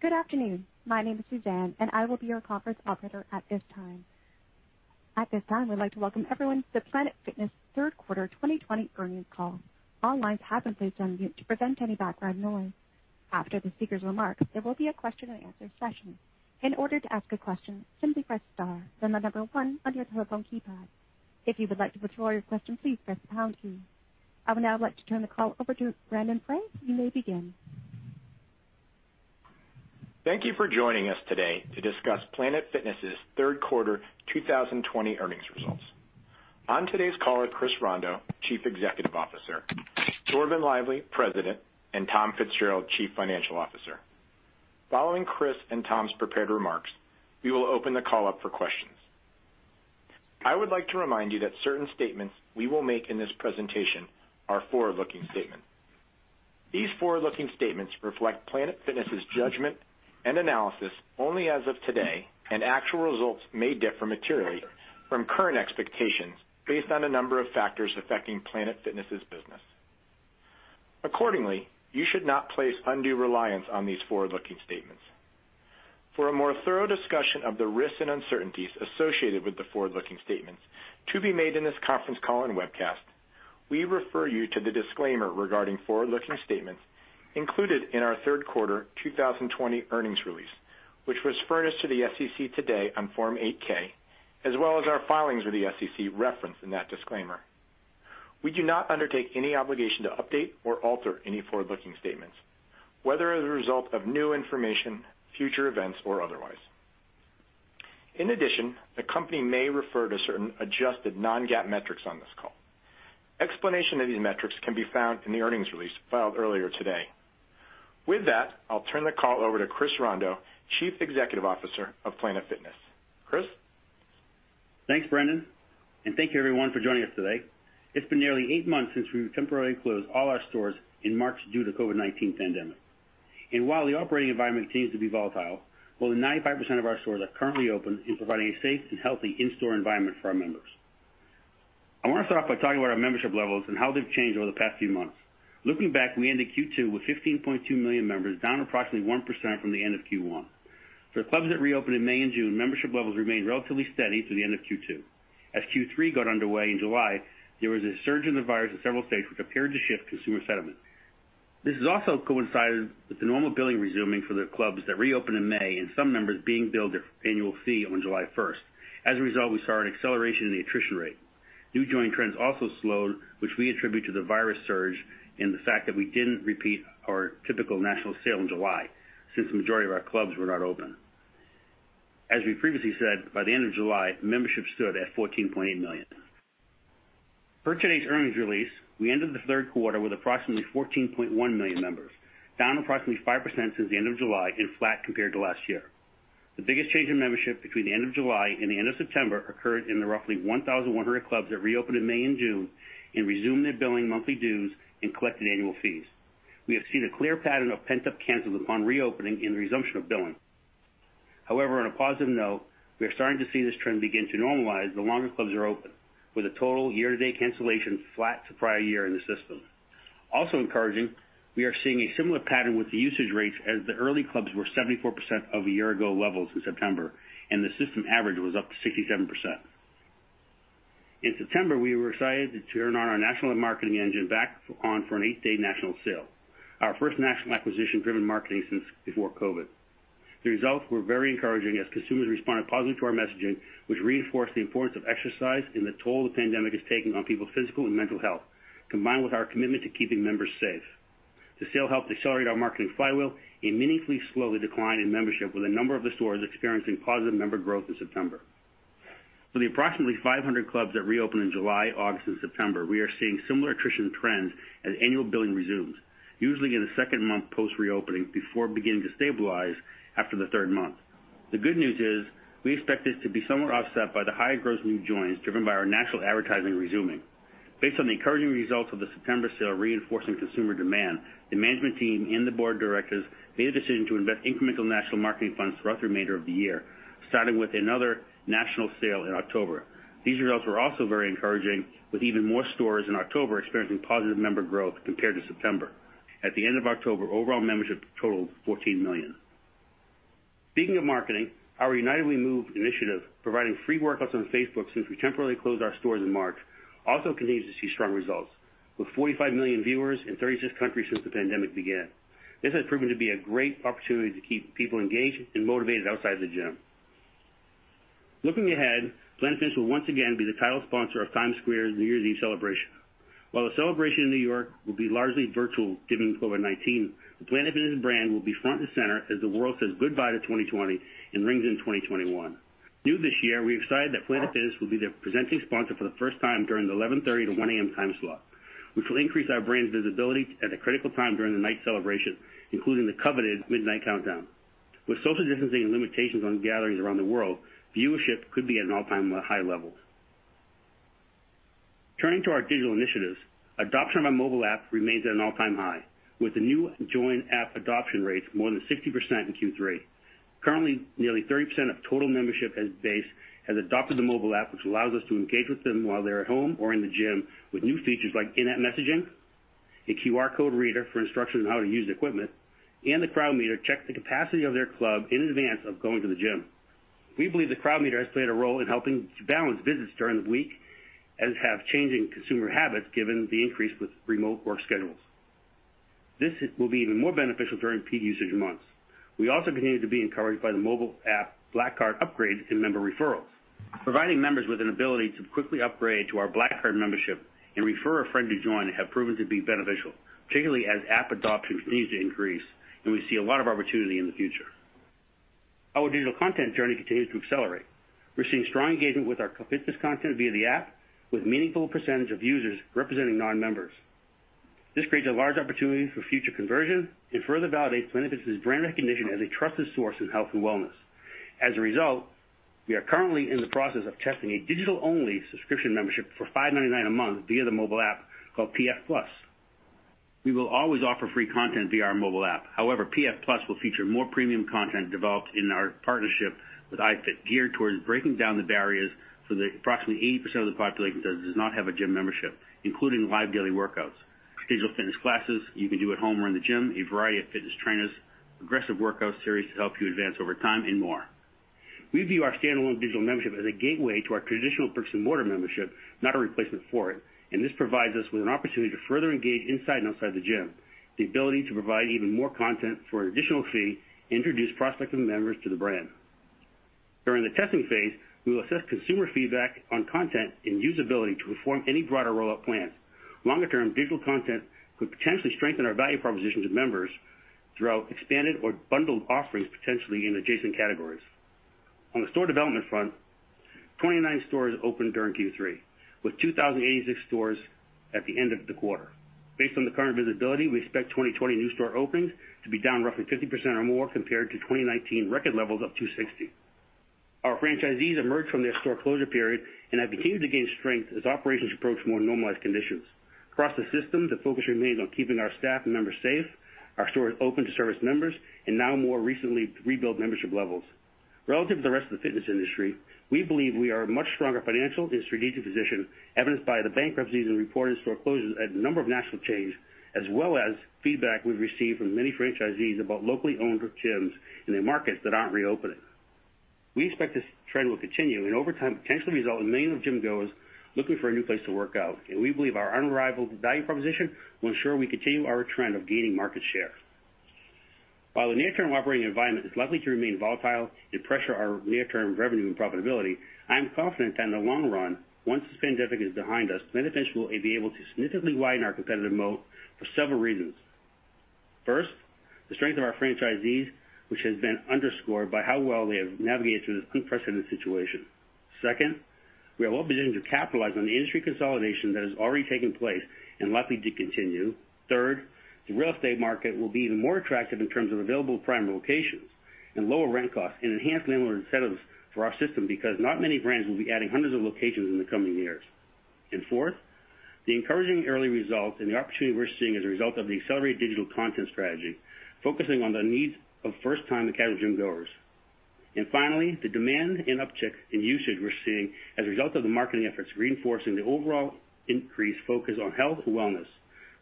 Good afternoon. My name is Suzanne, and I will be your conference operator at this time. At this time, we'd like to welcome everyone to Planet Fitness' third quarter 2020 earnings call. All lines have been placed on mute to prevent any background noise. After the speaker's remarks, there will be a question and answer session. In order to ask a question, simply press star, then the number one on your telephone keypad. If you would like to withdraw your question, please press the pound key. I would now like to turn the call over to Brendan Frey. You may begin. Thank you for joining us today to discuss Planet Fitness' third quarter 2020 earnings results. On today's call are Chris Rondeau, Chief Executive Officer, Dorvin Lively, President, and Tom Fitzgerald, Chief Financial Officer. Following Chris and Tom's prepared remarks, we will open the call up for questions. I would like to remind you that certain statements we will make in this presentation are forward-looking statements. These forward-looking statements reflect Planet Fitness' judgment and analysis only as of today, and actual results may differ materially from current expectations based on a number of factors affecting Planet Fitness' business. Accordingly, you should not place undue reliance on these forward-looking statements. For a more thorough discussion of the risks and uncertainties associated with the forward-looking statements to be made in this conference call and webcast, we refer you to the disclaimer regarding forward-looking statements included in our third quarter 2020 earnings release, which was furnished to the SEC today on Form 8-K, as well as our filings with the SEC referenced in that disclaimer. We do not undertake any obligation to update or alter any forward-looking statements, whether as a result of new information, future events, or otherwise. In addition, the company may refer to certain adjusted non-GAAP metrics on this call. Explanation of these metrics can be found in the earnings release filed earlier today. With that, I'll turn the call over to Chris Rondeau, Chief Executive Officer of Planet Fitness. Chris? Thanks, Brendan, and thank you everyone for joining us today. It's been nearly 8 months since we temporarily closed all our stores in March due to COVID-19 pandemic. While the operating environment continues to be volatile, more than 95% of our stores are currently open and providing a safe and healthy in-store environment for our members. I want to start off by talking about our membership levels and how they've changed over the past few months. Looking back, we ended Q2 with 15.2 million members, down approximately 1% from the end of Q1. For clubs that reopened in May and June, membership levels remained relatively steady through the end of Q2. As Q3 got underway in July, there was a surge in the virus in several states, which appeared to shift consumer sentiment. This is also coincided with the normal billing resuming for the clubs that reopened in May and some members being billed their annual fee on July 1st. As a result, we saw an acceleration in the attrition rate. New join trends also slowed, which we attribute to the virus surge and the fact that we didn't repeat our typical national sale in July, since the majority of our clubs were not open. As we previously said, by the end of July, membership stood at 14.8 million. Per today's earnings release, we ended the third quarter with approximately 14.1 million members, down approximately 5% since the end of July and flat compared to last year. The biggest change in membership between the end of July and the end of September occurred in the roughly 1,100 clubs that reopened in May and June and resumed their billing monthly dues and collected annual fees. We have seen a clear pattern of pent-up cancels upon reopening and the resumption of billing. However, on a positive note, we are starting to see this trend begin to normalize the longer clubs are open, with a total year-to-date cancellation flat to prior year in the system. Also encouraging, we are seeing a similar pattern with the usage rates as the early clubs were 74% of the year ago levels in September, and the system average was up to 67%. In September, we were excited to turn on our national marketing engine back on for an eight-day national sale, our first national acquisition-driven marketing since before COVID-19. The results were very encouraging as consumers responded positively to our messaging, which reinforced the importance of exercise and the toll the pandemic is taking on people's physical and mental health, combined with our commitment to keeping members safe. The sale helped accelerate our marketing flywheel and meaningfully slow the decline in membership, with a number of the stores experiencing positive member growth in September. For the approximately 500 clubs that reopened in July, August, and September, we are seeing similar attrition trends as annual billing resumes, usually in the second month post-reopening before beginning to stabilize after the third month. The good news is we expect this to be somewhat offset by the high gross new joins driven by our national advertising resuming. Based on the encouraging results of the September sale reinforcing consumer demand, the management team and the board of directors made a decision to invest incremental national marketing funds throughout the remainder of the year, starting with another national sale in October. These results were also very encouraging, with even more stores in October experiencing positive member growth compared to September. At the end of October, overall membership totaled 14 million. Speaking of marketing, our United We Move initiative, providing free workouts on Facebook since we temporarily closed our stores in March, also continues to see strong results, with 45 million viewers in 36 countries since the pandemic began. This has proven to be a great opportunity to keep people engaged and motivated outside of the gym. Looking ahead, Planet Fitness will once again be the title sponsor of Times Square's New Year's Eve celebration. While the celebration in New York will be largely virtual given COVID-19, the Planet Fitness brand will be front and center as the world says goodbye to 2020 and rings in 2021. New this year, we are excited that Planet Fitness will be their presenting sponsor for the first time during the 11:30 P.M. to 1:00 A.M. time slot, which will increase our brand's visibility at a critical time during the night's celebration, including the coveted midnight countdown. With social distancing and limitations on gatherings around the world, viewership could be at an all-time high level. Turning to our digital initiatives, adoption of our mobile app remains at an all-time high, with the new join app adoption rate more than 60% in Q3. Currently, nearly 30% of total membership base has adopted the mobile app, which allows us to engage with them while they're at home or in the gym, with new features like in-app messaging, a QR Code reader for instructions on how to use equipment, and the Crowd Meter checks the capacity of their club in advance of going to the gym. We believe the Crowd Meter has played a role in helping to balance visits during the week, as have changing consumer habits, given the increase with remote work schedules. This will be even more beneficial during peak usage months. We also continue to be encouraged by the mobile app Black Card upgrade and member referrals. Providing members with an ability to quickly upgrade to our Black Card membership and refer a friend to join have proven to be beneficial, particularly as app adoption continues to increase, and we see a lot of opportunity in the future. Our digital content journey continues to accelerate. We're seeing strong engagement with our fitness content via the app, with meaningful percentage of users representing non-members. This creates a large opportunity for future conversion and further validates Planet Fitness' brand recognition as a trusted source in health and wellness. As a result, we are currently in the process of testing a digital-only subscription membership for $5.99 a month via the mobile app called PF+. We will always offer free content via our mobile app. However, PF+ will feature more premium content developed in our partnership with iFit, geared towards breaking down the barriers for the approximately 80% of the population that does not have a gym membership, including live daily workouts, scheduled fitness classes you can do at home or in the gym, a variety of fitness trainers, progressive workout series to help you advance over time, and more. We view our standalone digital membership as a gateway to our traditional bricks and mortar membership, not a replacement for it. This provides us with an opportunity to further engage inside and outside the gym, the ability to provide even more content for an additional fee, introduce prospective members to the brand. During the testing phase, we will assess consumer feedback on content and usability to inform any broader rollout plans. Longer term, digital content could potentially strengthen our value proposition to members throughout expanded or bundled offerings, potentially in adjacent categories. On the store development front, 29 stores opened during Q3, with 2,086 stores at the end of the quarter. Based on the current visibility, we expect 2020 new store openings to be down roughly 50% or more compared to 2019 record levels of 260. Our franchisees emerged from their store closure period and have continued to gain strength as operations approach more normalized conditions. Across the system, the focus remains on keeping our staff and members safe, our stores open to service members, and now more recently, rebuild membership levels. Relative to the rest of the fitness industry, we believe we are in a much stronger financial and strategic position, evidenced by the bankruptcies and reported store closures at a number of national chains, as well as feedback we've received from many franchisees about locally-owned gyms in the markets that aren't reopening. We expect this trend will continue and over time, potentially result in millions of gym-goers looking for a new place to work out. We believe our unrivaled value proposition will ensure we continue our trend of gaining market share. While the near-term operating environment is likely to remain volatile and pressure our near-term revenue and profitability, I am confident that in the long run, once this pandemic is behind us, Planet Fitness will be able to significantly widen our competitive moat for several reasons. First, the strength of our franchisees, which has been underscored by how well they have navigated through this unprecedented situation. Second, we are well-positioned to capitalize on the industry consolidation that has already taken place and likely to continue. Third, the real estate market will be even more attractive in terms of available prime locations and lower rent costs, and enhanced landlord incentives for our system, because not many brands will be adding hundreds of locations in the coming years. Fourth, the encouraging early results and the opportunity we're seeing as a result of the accelerated digital content strategy, focusing on the needs of first-time occasional gym-goers. Finally, the demand and uptick in usage we're seeing as a result of the marketing efforts reinforcing the overall increased focus on health and wellness.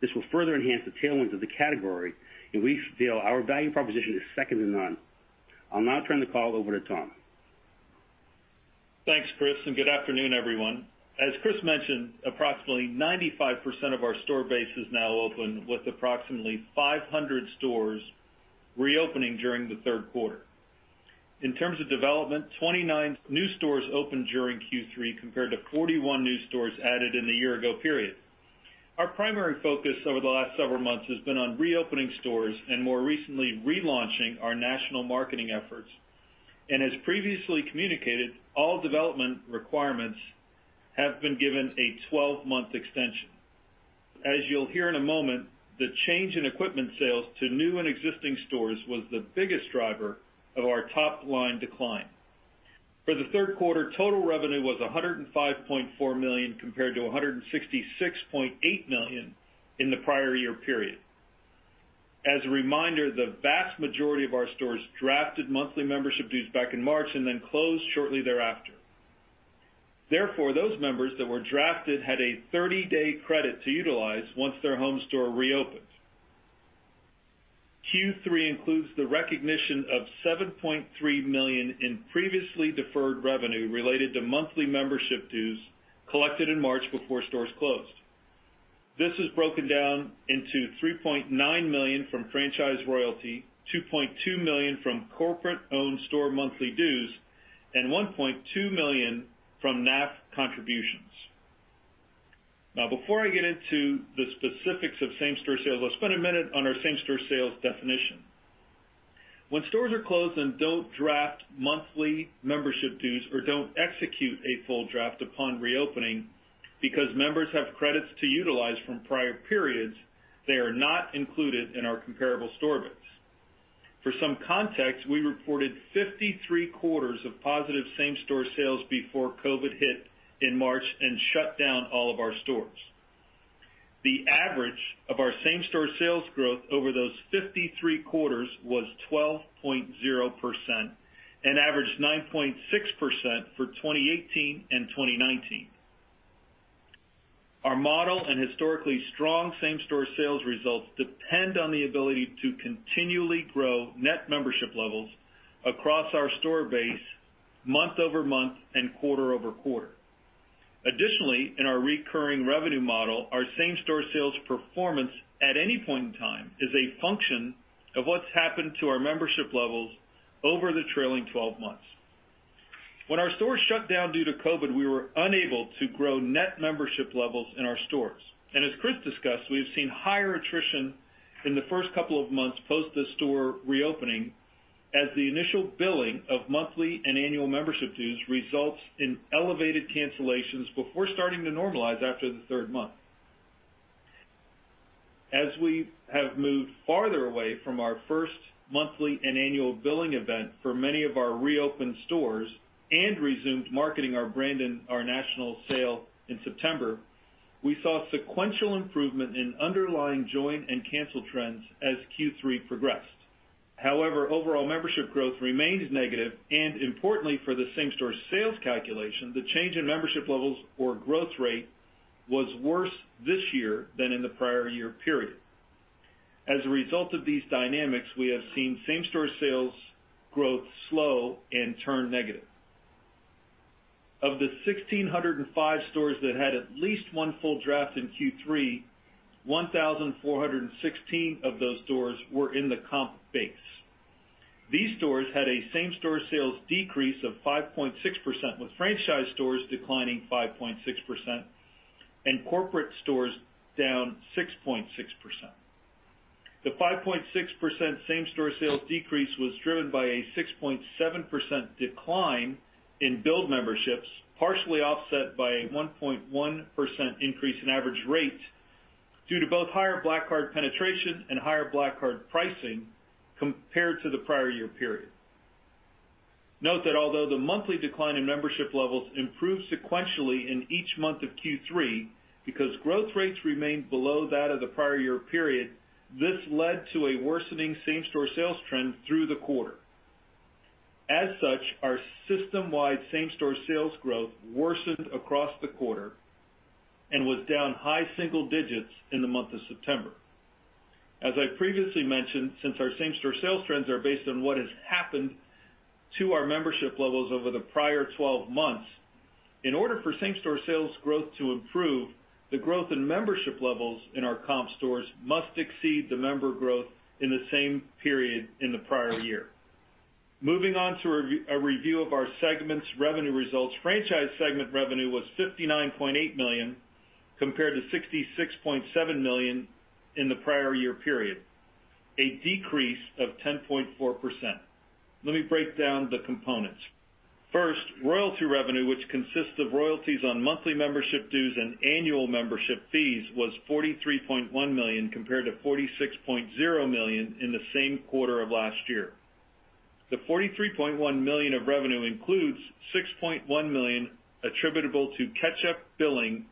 This will further enhance the tailwinds of the category, and we feel our value proposition is second to none. I'll now turn the call over to Tom. Thanks, Chris, and good afternoon, everyone. As Chris mentioned, approximately 95% of our store base is now open, with approximately 500 stores reopening during the third quarter. In terms of development, 29 new stores opened during Q3, compared to 41 new stores added in the year-ago period. Our primary focus over the last several months has been on reopening stores, and more recently, relaunching our national marketing efforts. As previously communicated, all development requirements have been given a 12-month extension. As you'll hear in a moment, the change in equipment sales to new and existing stores was the biggest driver of our top-line decline. For the third quarter, total revenue was $105.4 million, compared to $166.8 million in the prior year period. As a reminder, the vast majority of our stores drafted monthly membership dues back in March and then closed shortly thereafter. Therefore, those members that were drafted had a 30-day credit to utilize once their home store reopened. Q3 includes the recognition of $7.3 million in previously deferred revenue related to monthly membership dues collected in March before stores closed. This is broken down into $3.9 million from franchise royalty, $2.2 million from corporate-owned store monthly dues, and $1.2 million from NAF contributions. Before I get into the specifics of same-store sales, let's spend a minute on our same-store sales definition. When stores are closed and don't draft monthly membership dues or don't execute a full draft upon reopening because members have credits to utilize from prior periods, they are not included in our comparable store base. For some context, we reported 53 quarters of positive same-store sales before COVID hit in March and shut down all of our stores. The average of our same-store sales growth over those 53 quarters was 12.0%, and averaged 9.6% for 2018 and 2019. Our model and historically strong same-store sales results depend on the ability to continually grow net membership levels across our store base month-over-month and quarter-over-quarter. Additionally, in our recurring revenue model, our same-store sales performance at any point in time is a function of what's happened to our membership levels over the trailing 12 months. When our stores shut down due to COVID, we were unable to grow net membership levels in our stores. As Chris discussed, we have seen higher attrition in the first couple of months post the store reopening, as the initial billing of monthly and annual membership dues results in elevated cancellations before starting to normalize after the third month. As we have moved farther away from our first monthly and annual billing event for many of our reopened stores and resumed marketing our brand and our national sale in September, we saw sequential improvement in underlying join and cancel trends as Q3 progressed. However, overall membership growth remains negative, and importantly for the same-store sales calculation, the change in membership levels or growth rate was worse this year than in the prior year period. As a result of these dynamics, we have seen same-store sales growth slow and turn negative. Of the 1,605 stores that had at least one full draft in Q3, 1,416 of those stores were in the comp base. These stores had a same-store sales decrease of 5.6%, with franchise stores declining 5.6% and corporate stores down 6.6%. The 5.6% same-store sales decrease was driven by a 6.7% decline in billed memberships, partially offset by a 1.1% increase in average rate due to both higher Black Card penetration and higher Black Card pricing compared to the prior year period. Note that although the monthly decline in membership levels improved sequentially in each month of Q3 because growth rates remained below that of the prior year period, this led to a worsening same-store sales trend through the quarter. As such, our system-wide same-store sales growth worsened across the quarter and was down high single digits in the month of September. As I previously mentioned, since our same-store sales trends are based on what has happened to our membership levels over the prior 12 months, in order for same-store sales growth to improve, the growth in membership levels in our comp stores must exceed the member growth in the same period in the prior year. Moving on to a review of our segment's revenue results. Franchise segment revenue was $59.8 million, compared to $66.7 million in the prior year period, a decrease of 10.4%. Let me break down the components. First, royalty revenue, which consists of royalties on monthly membership dues and annual membership fees, was $43.1 million, compared to $46.0 million in the same quarter of last year. The $43.1 million of revenue includes $6.1 million attributable to catch-up billing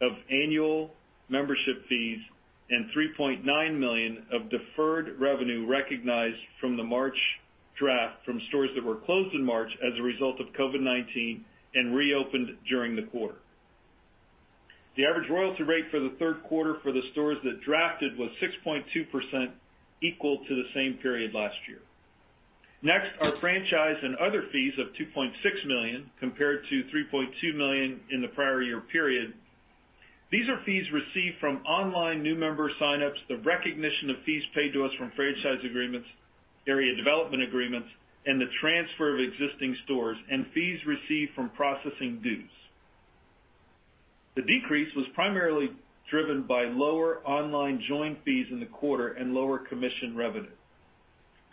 of annual membership fees and $3.9 million of deferred revenue recognized from the March draft from stores that were closed in March as a result of COVID-19 and reopened during the quarter. The average royalty rate for the third quarter for the stores that drafted was 6.2%, equal to the same period last year. Our franchise and other fees of $2.6 million compared to $3.2 million in the prior year period. These are fees received from online new member sign-ups, the recognition of fees paid to us from franchise agreements, area development agreements, and the transfer of existing stores, and fees received from processing dues. The decrease was primarily driven by lower online join fees in the quarter and lower commission revenue.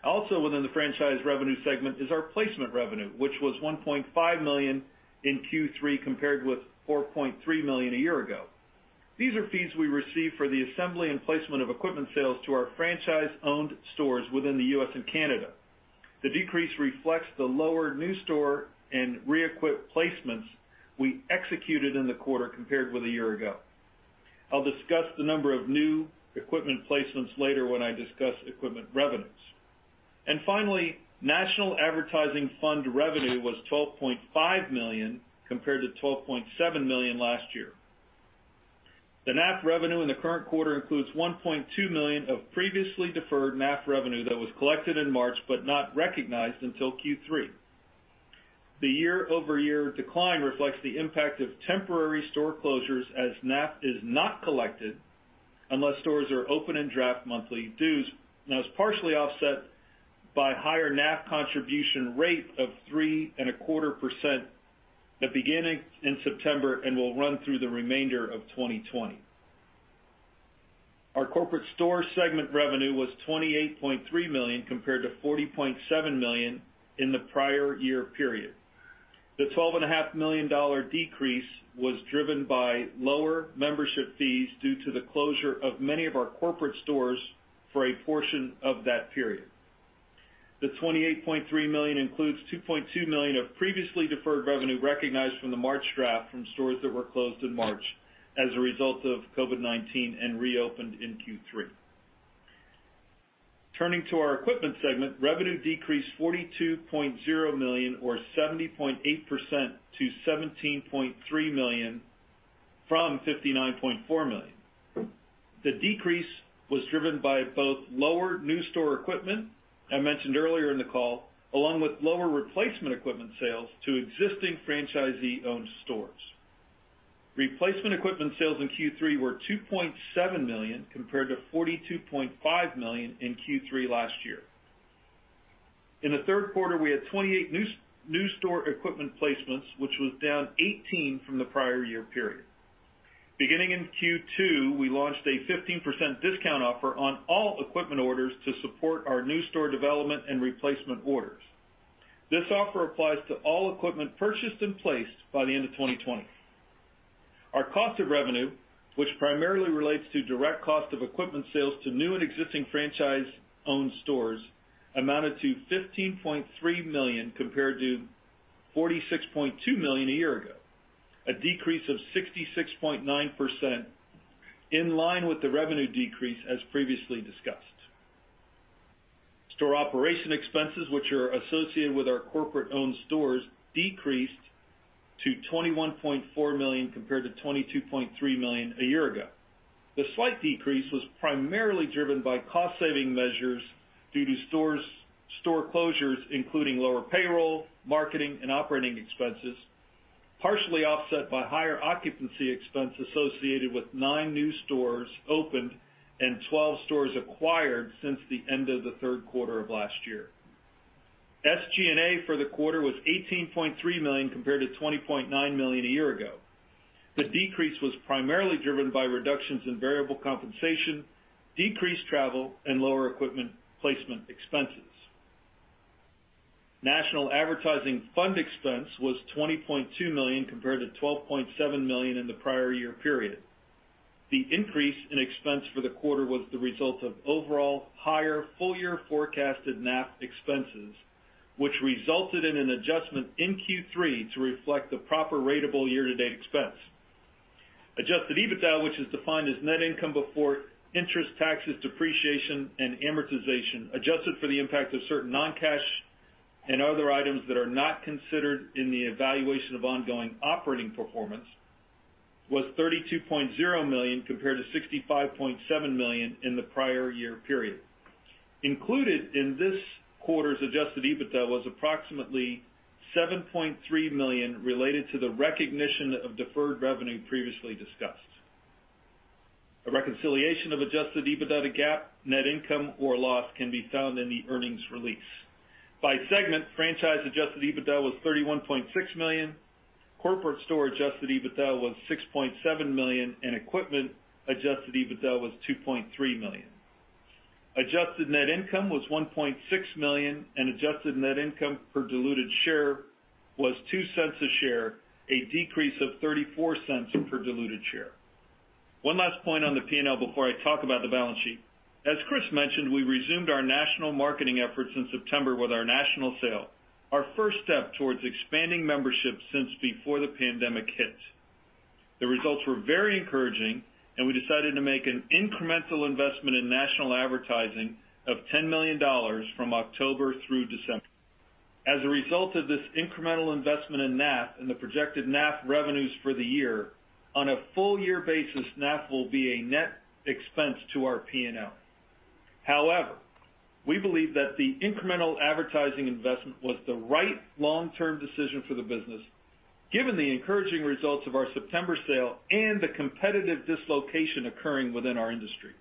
Also within the franchise revenue segment is our placement revenue, which was $1.5 million in Q3, compared with $4.3 million a year ago. These are fees we receive for the assembly and placement of equipment sales to our franchise-owned stores within the U.S. and Canada. The decrease reflects the lower new store and re-equip placements we executed in the quarter compared with a year ago. I'll discuss the number of new equipment placements later when I discuss equipment revenues. Finally, National Advertising Fund revenue was $12.5 million, compared to $12.7 million last year. The NAF revenue in the current quarter includes $1.2 million of previously deferred NAF revenue that was collected in March but not recognized until Q3. The year-over-year decline reflects the impact of temporary store closures as NAF is not collected unless stores are open and draft monthly dues, and that was partially offset by higher NAF contribution rate of 3.25% beginning in September and will run through the remainder of 2020. Our corporate store segment revenue was $28.3 million, compared to $40.7 million in the prior year period. The $12.5 million decrease was driven by lower membership fees due to the closure of many of our corporate stores for a portion of that period. The $28.3 million includes $2.2 million of previously deferred revenue recognized from the March draft from stores that were closed in March as a result of COVID-19 and reopened in Q3. Turning to our equipment segment, revenue decreased $42.0 million or 70.8% to $17.3 million from $59.4 million. The decrease was driven by both lower new store equipment, I mentioned earlier in the call, along with lower replacement equipment sales to existing franchisee-owned stores. Replacement equipment sales in Q3 were $2.7 million, compared to $42.5 million in Q3 last year. In the third quarter, we had 28 new store equipment placements, which was down 18 from the prior year period. Beginning in Q2, we launched a 15% discount offer on all equipment orders to support our new store development and replacement orders. This offer applies to all equipment purchased and placed by the end of 2020. Our cost of revenue, which primarily relates to direct cost of equipment sales to new and existing franchise-owned stores, amounted to $15.3 million compared to $46.2 million a year ago. A decrease of 66.9% in line with the revenue decrease as previously discussed. Store operation expenses, which are associated with our corporate-owned stores, decreased to $21.4 million compared to $22.3 million a year ago. The slight decrease was primarily driven by cost-saving measures due to store closures, including lower payroll, marketing, and operating expenses, partially offset by higher occupancy expense associated with nine new stores opened and 12 stores acquired since the end of the third quarter of last year. SG&A for the quarter was $18.3 million compared to $20.9 million a year ago. The decrease was primarily driven by reductions in variable compensation, decreased travel, and lower equipment placement expenses. National Advertising Fund expense was $20.2 million compared to $12.7 million in the prior year period. The increase in expense for the quarter was the result of overall higher full-year forecasted NAF expenses, which resulted in an adjustment in Q3 to reflect the proper ratable year-to-date expense. Adjusted EBITDA, which is defined as net income before interest, taxes, depreciation, and amortization, adjusted for the impact of certain non-cash and other items that are not considered in the evaluation of ongoing operating performance, was $32.0 million compared to $65.7 million in the prior year period. Included in this quarter's Adjusted EBITDA was approximately $7.3 million related to the recognition of deferred revenue previously discussed. A reconciliation of Adjusted EBITDA to GAAP net income or loss can be found in the earnings release. By segment, franchise Adjusted EBITDA was $31.6 million, corporate store Adjusted EBITDA was $6.7 million, and equipment Adjusted EBITDA was $2.3 million. Adjusted net income was $1.6 million, and adjusted net income per diluted share was $0.02 a share, a decrease of $0.34 per diluted share. One last point on the P&L before I talk about the balance sheet. As Chris mentioned, we resumed our national marketing efforts in September with our national sale, our first step towards expanding membership since before the pandemic hit. The results were very encouraging, we decided to make an incremental investment in national advertising of $10 million from October through December. As a result of this incremental investment in NAF and the projected NAF revenues for the year, on a full year basis, NAF will be a net expense to our P&L. However, we believe that the incremental advertising investment was the right long-term decision for the business, given the encouraging results of our September sale and the competitive dislocation occurring within our industry.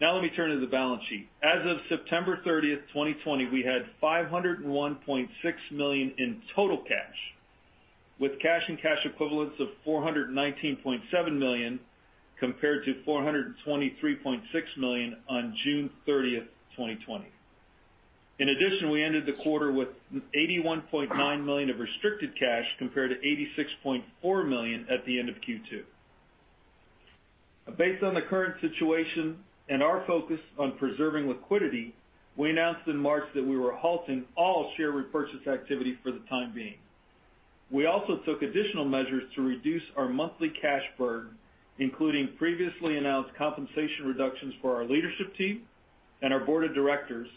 Now let me turn to the balance sheet. As of September 30th, 2020, we had $501.6 million in total cash, with cash and cash equivalents of $419.7 million compared to $423.6 million on June 30th, 2020. In addition, we ended the quarter with $81.9 million of restricted cash compared to $86.4 million at the end of Q2. Based on the current situation and our focus on preserving liquidity, we announced in March that we were halting all share repurchase activity for the time being. We also took additional measures to reduce our monthly cash burn, including previously announced compensation reductions for our leadership team and our board of directors.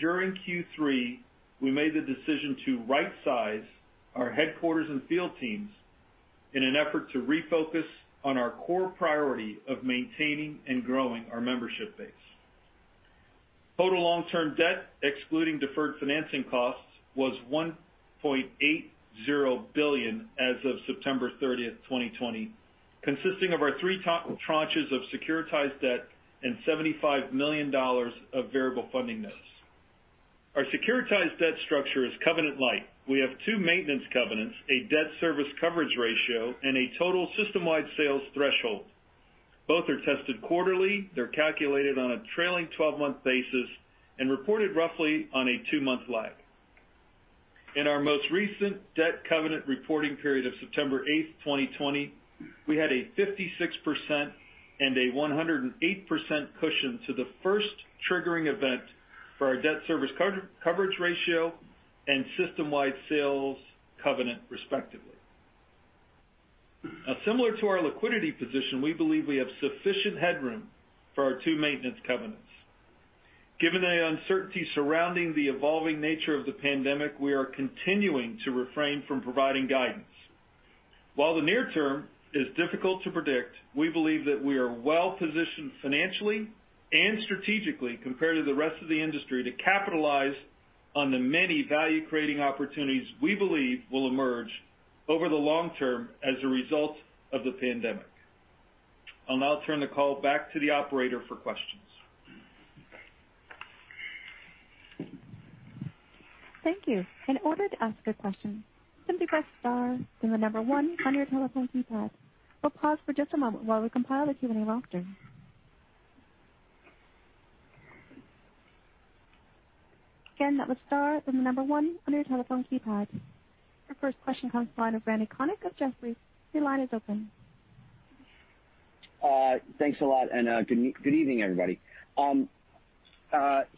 During Q3, we made the decision to rightsize our headquarters and field teams in an effort to refocus on our core priority of maintaining and growing our membership base. Total long-term debt, excluding deferred financing costs, was $1.80 billion as of September 30th, 2020, consisting of our three tranches of securitized debt and $75 million of variable funding notes. Our securitized debt structure is covenant light. We have two maintenance covenants, a debt service coverage ratio, and a total system-wide sales threshold. Both are tested quarterly. They're calculated on a trailing 12-month basis and reported roughly on a two-month lag. In our most recent debt covenant reporting period of September 8, 2020, we had a 56% and a 108% cushion to the first triggering event for our debt service coverage ratio and system-wide sales covenant, respectively. Similar to our liquidity position, we believe we have sufficient headroom for our two maintenance covenants. Given the uncertainty surrounding the evolving nature of the pandemic, we are continuing to refrain from providing guidance. While the near term is difficult to predict, we believe that we are well-positioned financially and strategically compared to the rest of the industry to capitalize on the many value-creating opportunities we believe will emerge over the long term as a result of the pandemic. I'll now turn the call back to the operator for questions. Thank you. In order to ask a question, simply press star then the number one on your telephone keypad. We'll pause for just a moment while we compile the Q&A roster. Again, that was star, then the number one on your telephone keypad. Your first question comes from the line of Randy Konik of Jefferies. Your line is open. Thanks a lot, and good evening, everybody. Can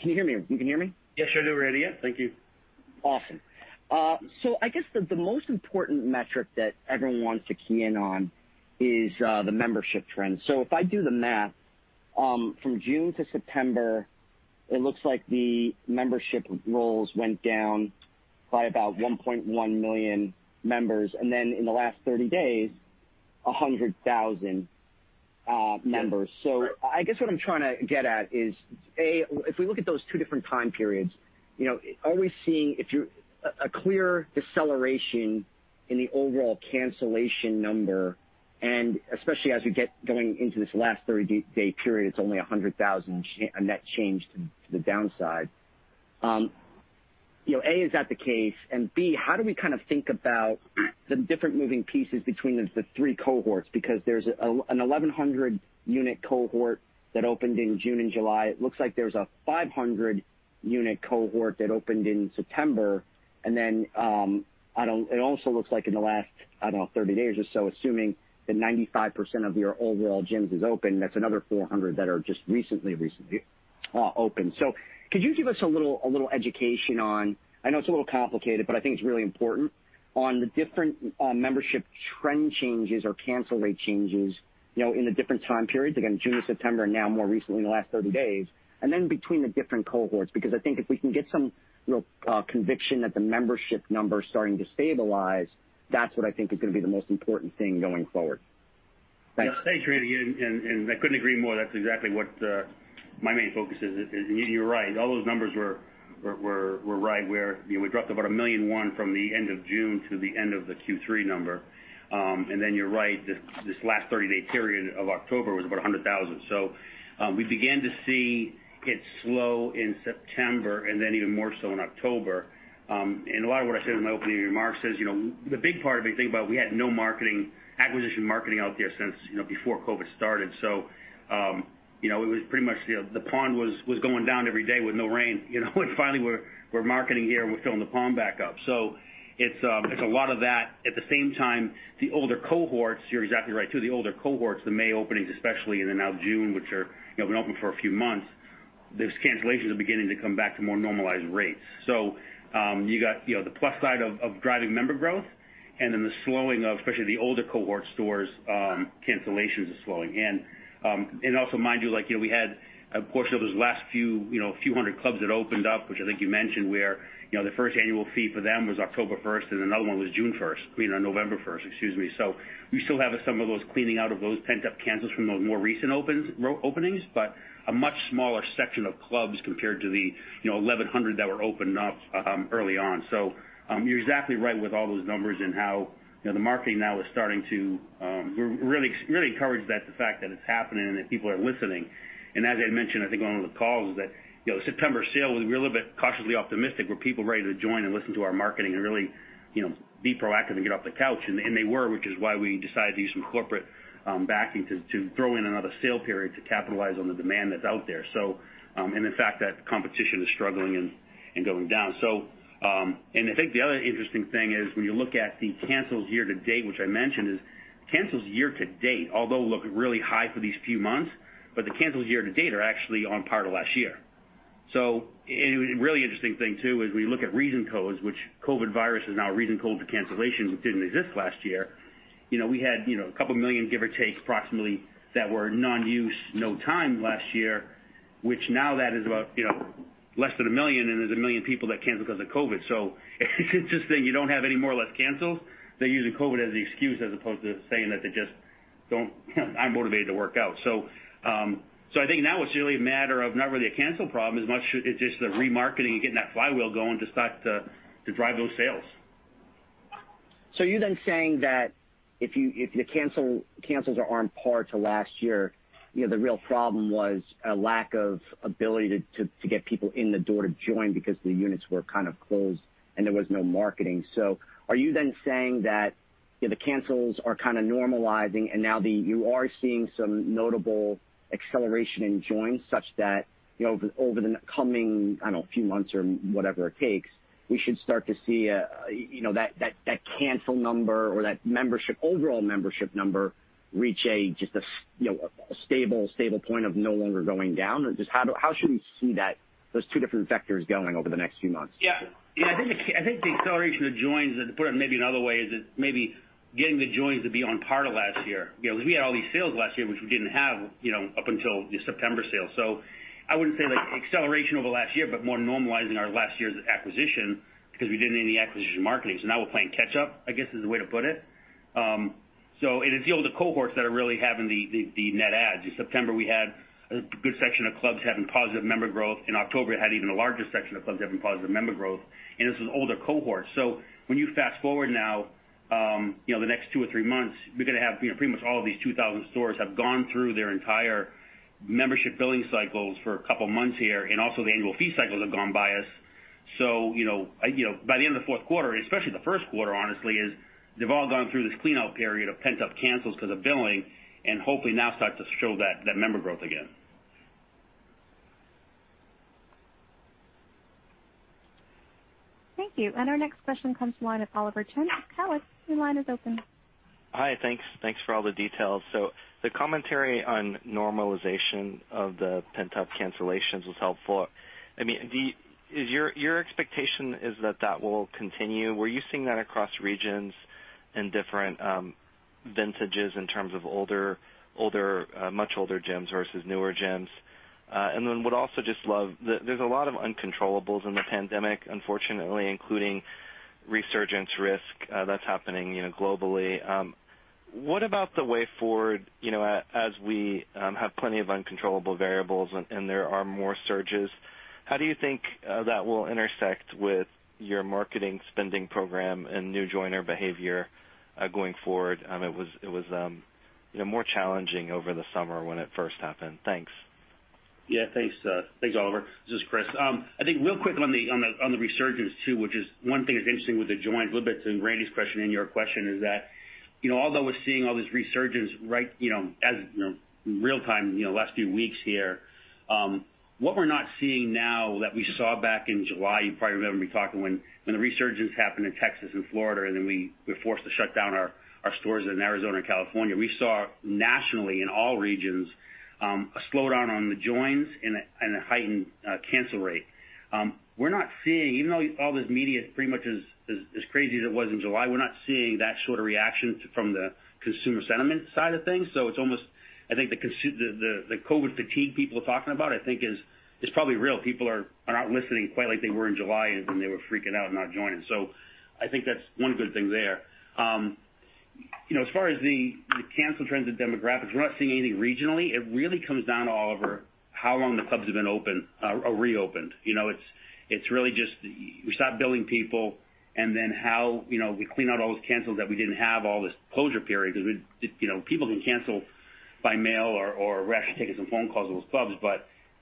you hear me? You can hear me? Yes, we do hear you. Thank you. Awesome. I guess the most important metric that everyone wants to key in on is the membership trends. If I do the math, from June to September, it looks like the membership rolls went down by about 1.1 million members, and then in the last 30 days, 100,000 members. Especially as we get going into this last 30-day period, it's only 100,000 net change to the downside. A, is that the case, and B, how do we think about the different moving pieces between the three cohorts? Because there's an 1,100-unit cohort that opened in June and July. It looks like there's a 500-unit cohort that opened in September, and then it also looks like in the last, I don't know, 30 days or so, assuming that 95% of your overall gyms is open, that's another 400 that are just recently opened. Could you give us a little education on, I know it's a little complicated, but I think it's really important, on the different membership trend changes or cancel rate changes in the different time periods, again, June, September, and now more recently in the last 30 days, and then between the different cohorts, because I think if we can get some real conviction that the membership numbers are starting to stabilize, that's what I think is going to be the most important thing going forward. Thanks. Thanks, Randy. I couldn't agree more. That's exactly what my main focus is. You're right. All those numbers were right where we dropped about 1.1 million From the end of June to the end of the Q3 number. You're right, this last 30-day period of October was about 100,000. We began to see it slow in September and then even more so in October. A lot of what I said in my opening remarks is, the big part, if you think about it, we had no acquisition marketing out there since before COVID-19 started. It was pretty much the pond was going down every day with no rain. Finally, we're marketing here, and we're filling the pond back up. It's a lot of that. At the same time, the older cohorts, you're exactly right, too. The older cohorts, the May openings especially, and then now June, which have been open for a few months, those cancellations are beginning to come back to more normalized rates. You got the plus side of driving member growth and then the slowing of, especially the older cohort stores, cancellations are slowing. Also mind you, we had a portion of those last few hundred clubs that opened up, which I think you mentioned, where the first annual fee for them was October 1st, and another one was June 1st, November 1st, excuse me. We still have some of those cleaning out of those pent-up cancels from those more recent openings, but a much smaller section of clubs compared to the 1,100 that were opened up early on. You're exactly right with all those numbers and how the marketing now is starting to really encourage the fact that it's happening and that people are listening. As I mentioned, I think on one of the calls, is that September sale, we were a little bit cautiously optimistic, were people ready to join and listen to our marketing and really be proactive and get off the couch? They were, which is why we decided to use some corporate backing to throw in another sale period to capitalize on the demand that's out there. The fact that competition is struggling and going down. I think the other interesting thing is when you look at the cancels year to date, which I mentioned, is cancels year to date, although look really high for these few months, but the cancels year to date are actually on par to last year. A really interesting thing, too, is we look at reason codes, which COVID-19 is now a reason code for cancellation, which didn't exist last year. We had 2 million, give or take, approximately, that were non-use, no time last year, which now that is about less than 1 million, and there's 1 million people that canceled because of COVID-19. It's interesting, you don't have any more or less cancels. They're using COVID-19 as the excuse as opposed to saying that they're just not motivated to work out. I think now it's really a matter of not really a cancel problem as much as just the remarketing and getting that flywheel going to start to drive those sales. Are you then saying that if the cancels are on par to last year, the real problem was a lack of ability to get people in the door to join because the units were kind of closed and there was no marketing. Are you then saying that the cancels are kind of normalizing and now you are seeing some notable acceleration in joins such that, over the coming, I don't know, few months or whatever it takes, we should start to see that cancel number or that overall membership number reach a stable point of no longer going down? Just how should we see those two different vectors going over the next few months? Yeah. I think the acceleration of joins, to put it maybe another way, is that maybe getting the joins to be on par to last year. Because we had all these sales last year, which we didn't have up until the September sale. I wouldn't say like acceleration over last year, but more normalizing our last year's acquisition because we didn't do any acquisition marketing. Now we're playing catch up, I guess, is the way to put it. It's the older cohorts that are really having the net adds. In September, we had a good section of clubs having positive member growth. In October, it had even a larger section of clubs having positive member growth, and this was older cohorts. When you fast-forward now, the next two or three months, we're going to have pretty much all of these 2,000 stores have gone through their entire membership billing cycles for a couple of months here, and also the annual fee cycles have gone by us. By the end of the fourth quarter, especially the first quarter, honestly, is they've all gone through this cleanout period of pent-up cancels because of billing and hopefully now start to show that member growth again. Thank you. Our next question comes from the line of Oliver of Cowen. Your line is open. Hi, thanks. Thanks for all the details. The commentary on normalization of the pent-up cancellations was helpful. Your expectation is that that will continue. Were you seeing that across regions in different vintages in terms of much older gyms versus newer gyms? There's a lot of uncontrollables in the pandemic, unfortunately, including resurgence risk that's happening globally. What about the way forward as we have plenty of uncontrollable variables and there are more surges? How do you think that will intersect with your marketing spending program and new joiner behavior going forward? It was more challenging over the summer when it first happened. Thanks. Yeah. Thanks, Oliver. This is Chris. I think real quick on the resurgence, too, which is one thing that's interesting with the joins, a little bit to Randy's question and your question is that although we're seeing all this resurgence in real-time, last few weeks here, what we're not seeing now that we saw back in July, you probably remember me talking when the resurgence happened in Texas and Florida, and then we were forced to shut down our stores in Arizona and California. We saw nationally, in all regions, a slowdown on the joins and a heightened cancel rate. Even though all this media pretty much is as crazy as it was in July, we're not seeing that sort of reaction from the consumer sentiment side of things. It's almost, I think, the COVID-19 fatigue people are talking about, I think, is probably real. People are not listening quite like they were in July, and then they were freaking out and not joining. I think that's one good thing there. As far as the cancel trends and demographics, we're not seeing anything regionally. It really comes down to, Oliver, how long the clubs have been open or reopened. It's really just we stop billing people and then how we clean out all those cancels that we didn't have all this closure period because people can cancel by mail or we're actually taking some phone calls at those clubs.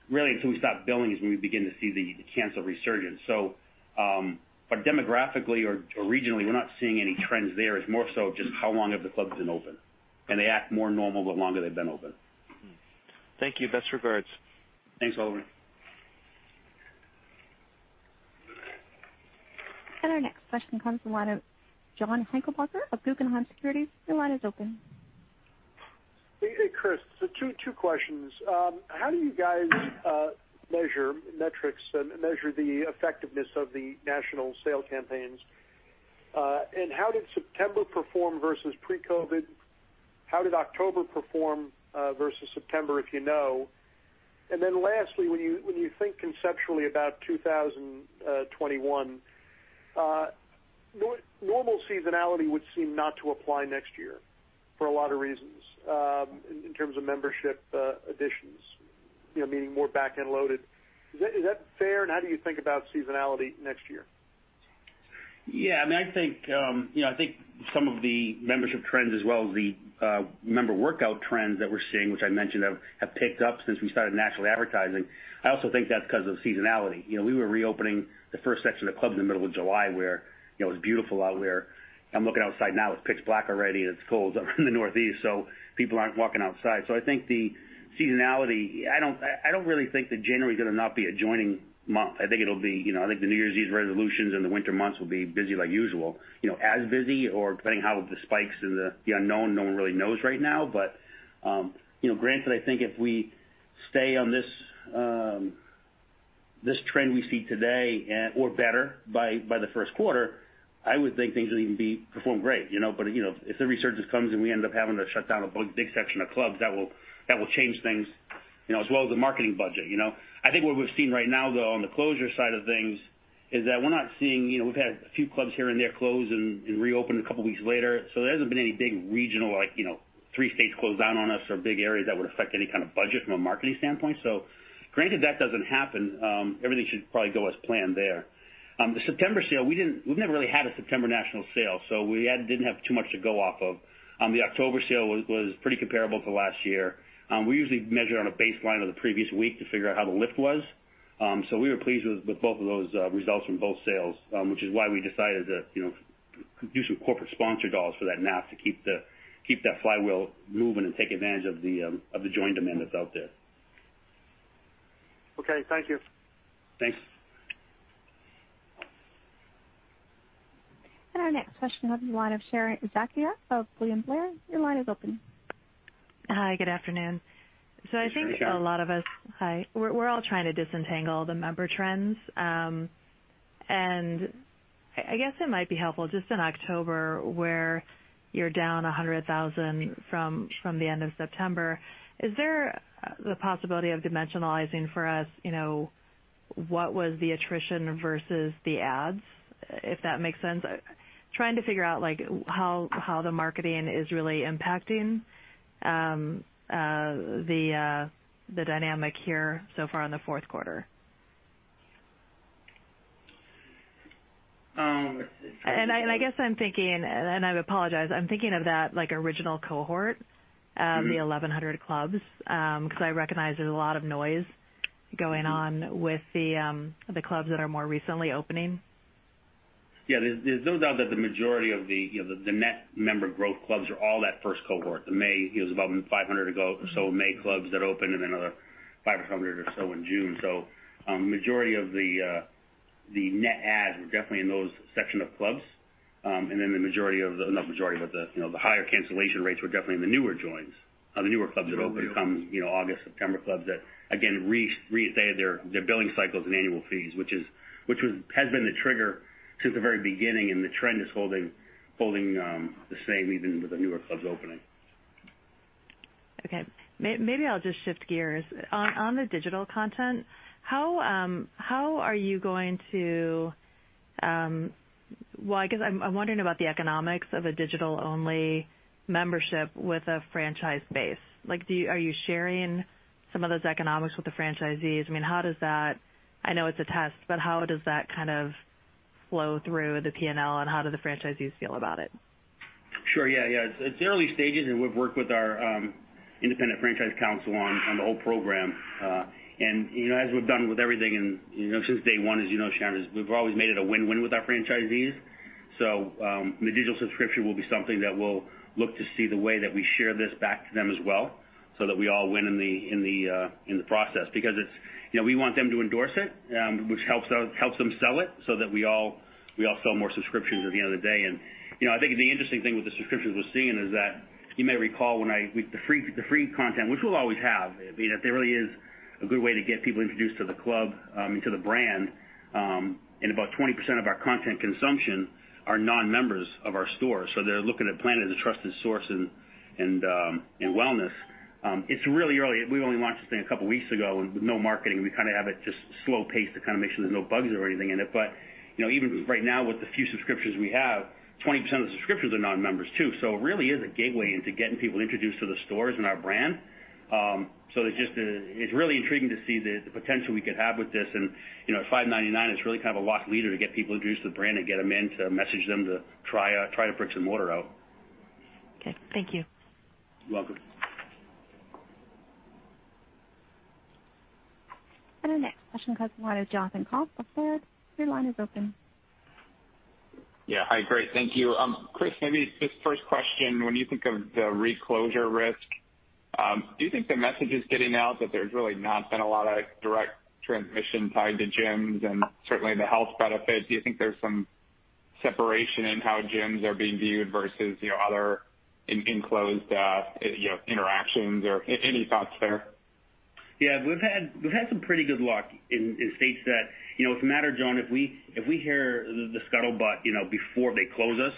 Really until we stop billing is when we begin to see the cancel resurgence. Demographically or regionally, we're not seeing any trends there. It's more so just how long have the clubs been open, and they act more normal the longer they've been open. Thank you. Best regards. Thanks, Oliver. Our next question comes from the line of John Heinbockel of Guggenheim Securities. Your line is open. Hey, Chris. Two questions. How do you guys measure metrics and measure the effectiveness of the national sale campaigns? How did September perform versus pre-COVID? How did October perform versus September, if you know? Lastly, when you think conceptually about 2021, normal seasonality would seem not to apply next year for a lot of reasons in terms of membership additions, meaning more back-end loaded. Is that fair? How do you think about seasonality next year? Yeah. I think some of the membership trends as well as the member workout trends that we're seeing, which I mentioned have picked up since we started nationally advertising. I also think that's because of seasonality. We were reopening the first section of clubs in the middle of July where it was beautiful out. I'm looking outside now, it's pitch black already and it's cold in the Northeast, so people aren't walking outside. I think the seasonality, I don't really think that January is going to not be a joining month. I think the New Year's resolutions and the winter months will be busy like usual, as busy or depending how the spikes and the unknown. No one really knows right now. Granted, I think if we stay on this trend we see today or better by the first quarter, I would think things will even perform great. If the resurgence comes and we end up having to shut down a big section of clubs, that will change things, as well as the marketing budget. I think what we've seen right now, though, on the closure side of things, is that we've had a few clubs here and there close and reopen a couple weeks later. There hasn't been any big regional, like, three states close down on us or big areas that would affect any kind of budget from a marketing standpoint. Granted that doesn't happen, everything should probably go as planned there. The September sale, we've never really had a September national sale, so we didn't have too much to go off of. The October sale was pretty comparable to last year. We usually measure on a baseline of the previous week to figure out how the lift was. We were pleased with both of those results from both sales, which is why we decided to do some corporate sponsor dollars for that NAF to keep that flywheel moving and take advantage of the joint demand that's out there. Okay, thank you. Thanks. Our next question on the line of Sharon Zackfia of William Blair, your line is open. Hi, good afternoon. Hi, Sharon. Hi. We're all trying to disentangle the member trends. I guess it might be helpful just in October, where you're down 100,000 from the end of September. Is there the possibility of dimensionalizing for us, what was the attrition versus the ads, if that makes sense? Trying to figure out how the marketing is really impacting the dynamic here so far in the fourth quarter. Let's see. I guess I'm thinking, and I apologize, I'm thinking of that original cohort. Of the 1,100 clubs, because I recognize there's a lot of noise going on with the clubs that are more recently opening. Yeah, there's no doubt that the majority of the net member growth clubs are all that first cohort. The May, it was about 500 or so May clubs that opened and another 500 or so in June. Majority of the net adds were definitely in those section of clubs. The majority of the, not majority, but the higher cancellation rates were definitely in the newer joins, the newer clubs that opened come August, September clubs that again, reset their billing cycles and annual fees, which has been the trigger since the very beginning, and the trend is holding the same even with the newer clubs opening. Okay. Maybe I'll just shift gears. On the digital content, well, I guess I'm wondering about the economics of a digital-only membership with a franchise base. Are you sharing some of those economics with the franchisees? I know it's a test, how does that kind of flow through the P&L, and how do the franchisees feel about it? Sure. It's early stages, and we've worked with our independent franchise council on the whole program. As we've done with everything since day one, as you know, Sharon, we've always made it a win-win with our franchisees. The digital subscription will be something that we'll look to see the way that we share this back to them as well, so that we all win in the process. We want them to endorse it, which helps them sell it so that we all sell more subscriptions at the end of the day. I think the interesting thing with the subscriptions we're seeing is that you may recall, the free content, which we'll always have. That really is a good way to get people introduced to the club, to the brand. About 20% of our content consumption are non-members of our store. They're looking at Planet as a trusted source in wellness. It's really early. We've only launched this thing a couple weeks ago, and with no marketing, we kind of have it just slow paced to kind of make sure there's no bugs or anything in it. Even right now with the few subscriptions we have, 20% of the subscriptions are non-members too. It really is a gateway into getting people introduced to the stores and our brand. It's really intriguing to see the potential we could have with this and at $5.99, it's really kind of a loss leader to get people introduced to the brand and get them in to message them to try to bricks and mortar. Okay. Thank you. You're welcome. Our next question comes from the line of Jonathan Komp of Baird. Your line is open. Yeah. Hi. Great. Thank you. Chris, maybe just first question, when you think of the reclosure risk, do you think the message is getting out that there's really not been a lot of direct transmission tied to gyms and certainly the health benefits? Do you think there's some separation in how gyms are being viewed versus other enclosed interactions or any thoughts there? Yeah, we've had some pretty good luck in states that-- what matter's, Jon, if we hear the scuttlebutt before they close us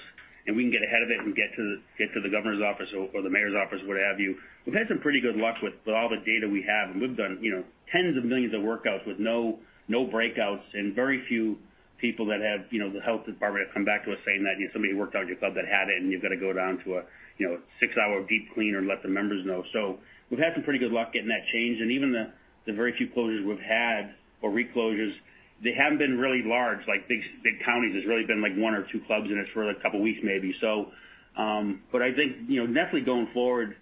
and we can get ahead of it and get to the governor's office or the mayor's office, what have you. We've had some pretty good luck with all the data we have, and we've done tens of millions of workouts with no breakouts and very few people, the health department have come back to us saying that somebody who worked out at your club that had it and you've got to go down to a six-hour deep clean or let the members know. We've had some pretty good luck getting that changed and even the very few closures we've had or reclosures, they haven't been really large, like big counties. It's really been like one or two clubs and it's for a couple weeks maybe. I think definitely going forward,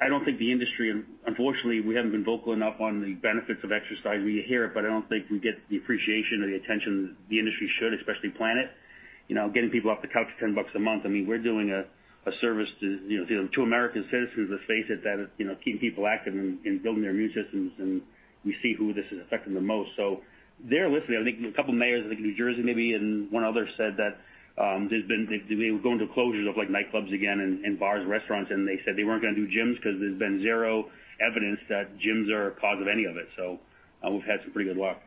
I don't think the industry, unfortunately, we haven't been vocal enough on the benefits of exercise. We hear it, I don't think we get the appreciation or the attention the industry should, especially Planet. Getting people off the couch for $10 a month. We're doing a service to American citizens. Let's face it, that is keeping people active and building their immune systems, and we see who this is affecting the most. They're listening. I think a couple mayors, I think New Jersey maybe and one other said that they were going through closures of nightclubs again and bars, restaurants and they said they weren't going to do gyms because there's been zero evidence that gyms are a cause of any of it. We've had some pretty good luck.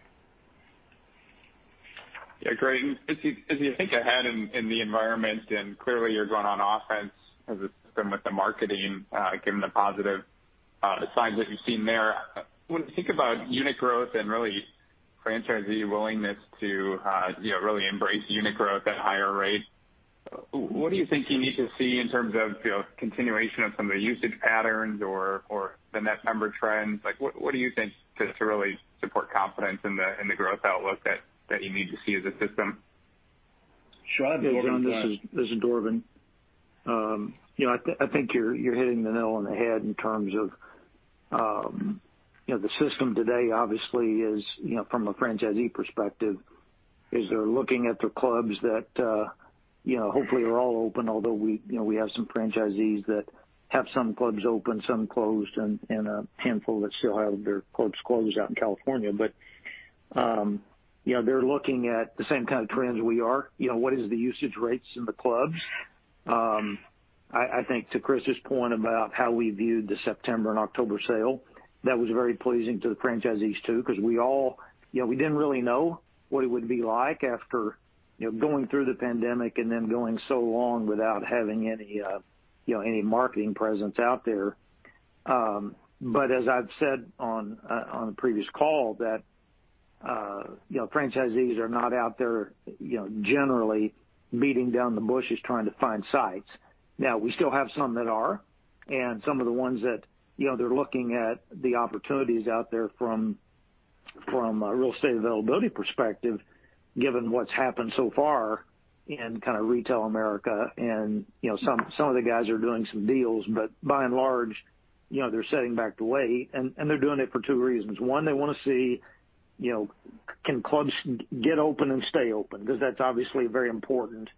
Yeah, great. As you think ahead in the environment, and clearly you're going on offense as a system with the marketing, given the positive signs that you've seen there. When you think about unit growth and really franchisee willingness to really embrace unit growth at higher rates, what do you think you need to see in terms of continuation of some of the usage patterns or the net member trends? What do you think to really support confidence in the growth outlook that you need to see as a system? Should I take that? Yeah, Jon, this is Dorvin. I think you're hitting the nail on the head in terms of the system today obviously is, from a franchisee perspective, is they're looking at the clubs that hopefully are all open. We have some franchisees that have some clubs open, some closed, and a handful that still have their clubs closed out in California. They're looking at the same kind of trends we are. What is the usage rates in the clubs? I think to Chris's point about how we viewed the September and October sale, that was very pleasing to the franchisees, too, because we didn't really know what it would be like after going through the pandemic and then going so long without having any marketing presence out there. As I've said on a previous call that franchisees are not out there generally beating down the bushes trying to find sites. Now, we still have some that are, and some of the ones that they're looking at the opportunities out there from a real estate availability perspective, given what's happened so far in retail America, and some of the guys are doing some deals, but by and large, they're sitting back to wait, and they're doing it for two reasons. One, they want to see, can clubs get open and stay open? Because that's obviously very important,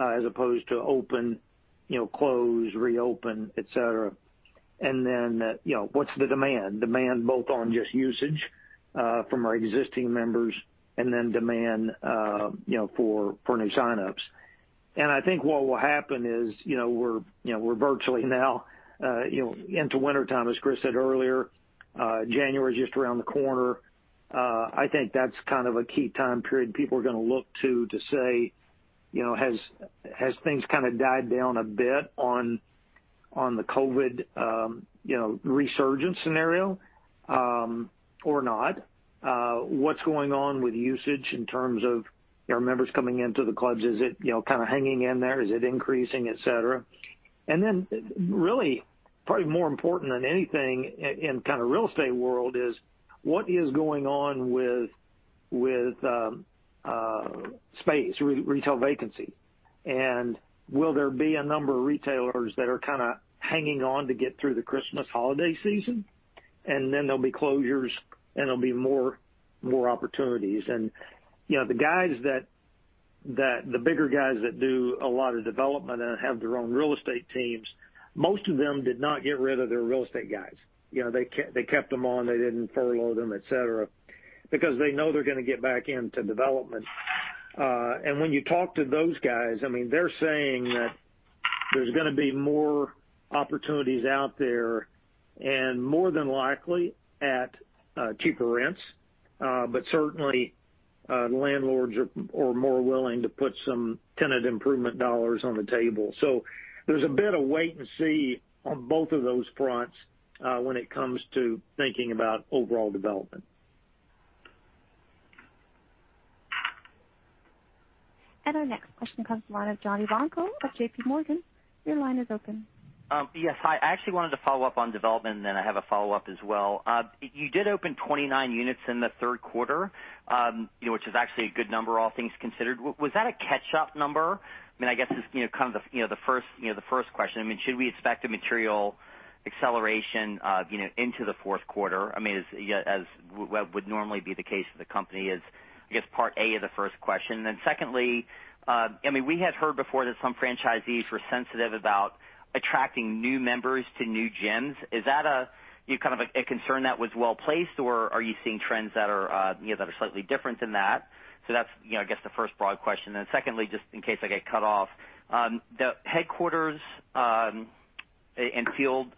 as opposed to open, close, reopen, et cetera. What's the demand? Demand both on just usage from our existing members and then demand for new sign-ups. I think what will happen is, we're virtually now into wintertime, as Chris said earlier. January is just around the corner. I think that's a key time period people are going to look to say, has things died down a bit on the COVID-19 resurgence scenario or not? What's going on with usage in terms of our members coming into the clubs? Is it hanging in there? Is it increasing, et cetera. Really, probably more important than anything in real estate world is what is going on with space, retail vacancy? Will there be a number of retailers that are hanging on to get through the Christmas holiday season? There'll be closures, and there'll be more opportunities. The bigger guys that do a lot of development and have their own real estate teams, most of them did not get rid of their real estate guys. They kept them on. They didn't furlough them, et cetera, because they know they're going to get back into development. When you talk to those guys, they're saying that there's going to be more opportunities out there and more than likely at cheaper rents. Certainly, landlords are more willing to put some tenant improvement dollars on the table. There's a bit of wait and see on both of those fronts when it comes to thinking about overall development. Our next question comes from the line of John Ivankoe of JPMorgan. Your line is open. Yes. Hi. I actually wanted to follow up on development. Then I have a follow-up as well. You did open 29 units in the third quarter, which is actually a good number, all things considered. Was that a catch-up number? I guess is the first question. Should we expect a material acceleration into the fourth quarter as what would normally be the case for the company is, I guess part A of the first question. Secondly, we had heard before that some franchisees were sensitive about attracting new members to new gyms. Is that a concern that was well-placed, or are you seeing trends that are slightly different than that? That's, I guess the first broad question. Secondly, just in case I get cut off. The headquarters and field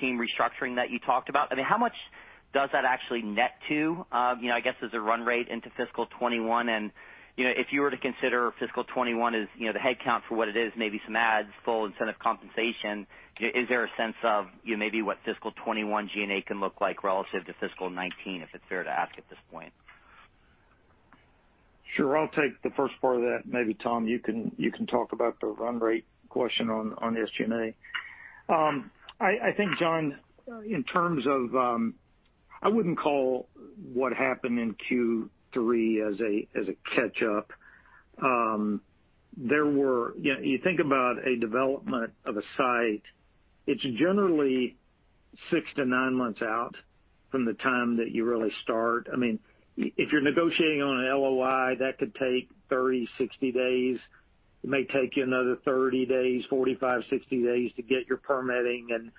team restructuring that you talked about, how much does that actually net to? I guess as a run rate into fiscal 2021, if you were to consider fiscal 2021 as the headcount for what it is, maybe some adds, full incentive compensation, is there a sense of maybe what fiscal 2021 G&A can look like relative to fiscal 2019, if it's fair to ask at this point? Sure. I'll take the first part of that. Maybe, Tom, you can talk about the run rate question on the SG&A. I think, John, in terms of, I wouldn't call what happened in Q3 as a catch-up. You think about a development of a site, it's generally 6 to 9 months out from the time that you really start. If you're negotiating on an LOI, that could take 30, 60 days. It may take you another 30 days, 45, 60 days to get your permitting and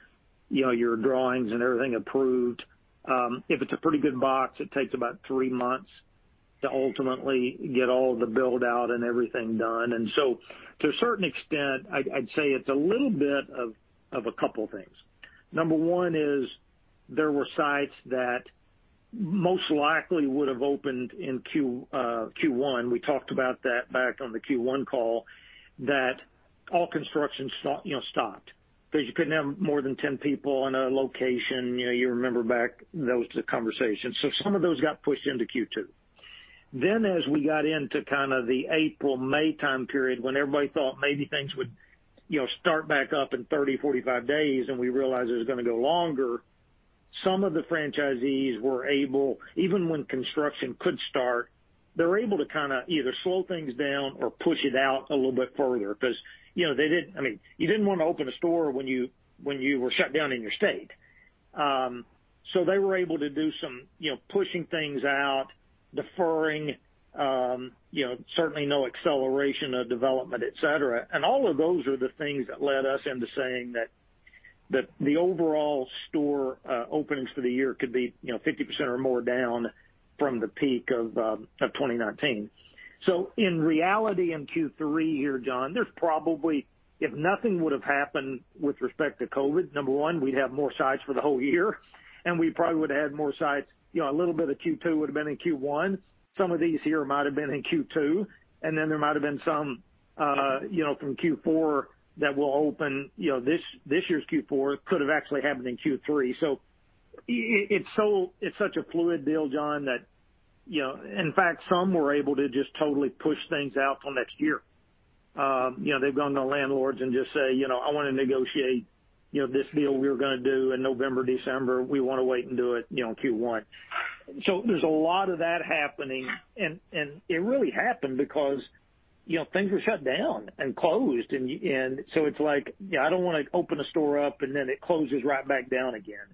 your drawings and everything approved. If it's a pretty good box, it takes about three months to ultimately get all the build-out and everything done. To a certain extent, I'd say it's a little bit of a couple things. Number one, there were sites that most likely would have opened in Q1. We talked about that back on the Q1 call, that all construction stopped because you couldn't have more than 10 people in a location. You remember back, those were the conversations. Some of those got pushed into Q2. As we got into the April, May time period, when everybody thought maybe things would start back up in 30, 45 days, and we realized it was going to go longer, some of the franchisees were able, even when construction could start, they were able to either slow things down or push it out a little bit further because you didn't want to open a store when you were shut down in your state. They were able to do some pushing things out, deferring, certainly no acceleration of development, et cetera. All of those are the things that led us into saying that the overall store openings for the year could be 50% or more down from the peak of 2019. In reality, in Q3 here, John, there's probably, if nothing would have happened with respect to COVID-19, number one, we'd have more sites for the whole year, and we probably would've had more sites. A little bit of Q2 would've been in Q1. Some of these here might have been in Q2, and then there might've been some from Q4 that will open. This year's Q4 could have actually happened in Q3. It's such a fluid deal, John, that in fact, some were able to just totally push things out till next year. They've gone to the landlords and just say, "I want to negotiate this deal we were going to do in November, December. We want to wait and do it in Q1. There's a lot of that happening, and it really happened because things were shut down and closed, and so it's like, I don't want to open a store up and then it closes right back down again.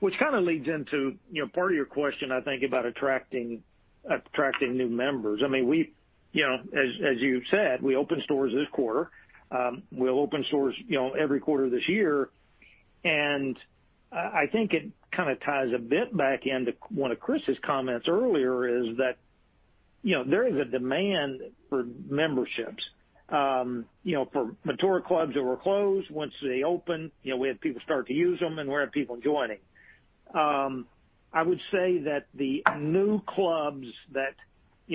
Which kind of leads into part of your question, I think, about attracting new members. As you said, we opened stores this quarter. We'll open stores every quarter this year. I think it kind of ties a bit back into one of Chris's comments earlier, is that there is a demand for memberships. For mature clubs that were closed, once they open, we have people start to use them and we have people joining. I would say that the new clubs that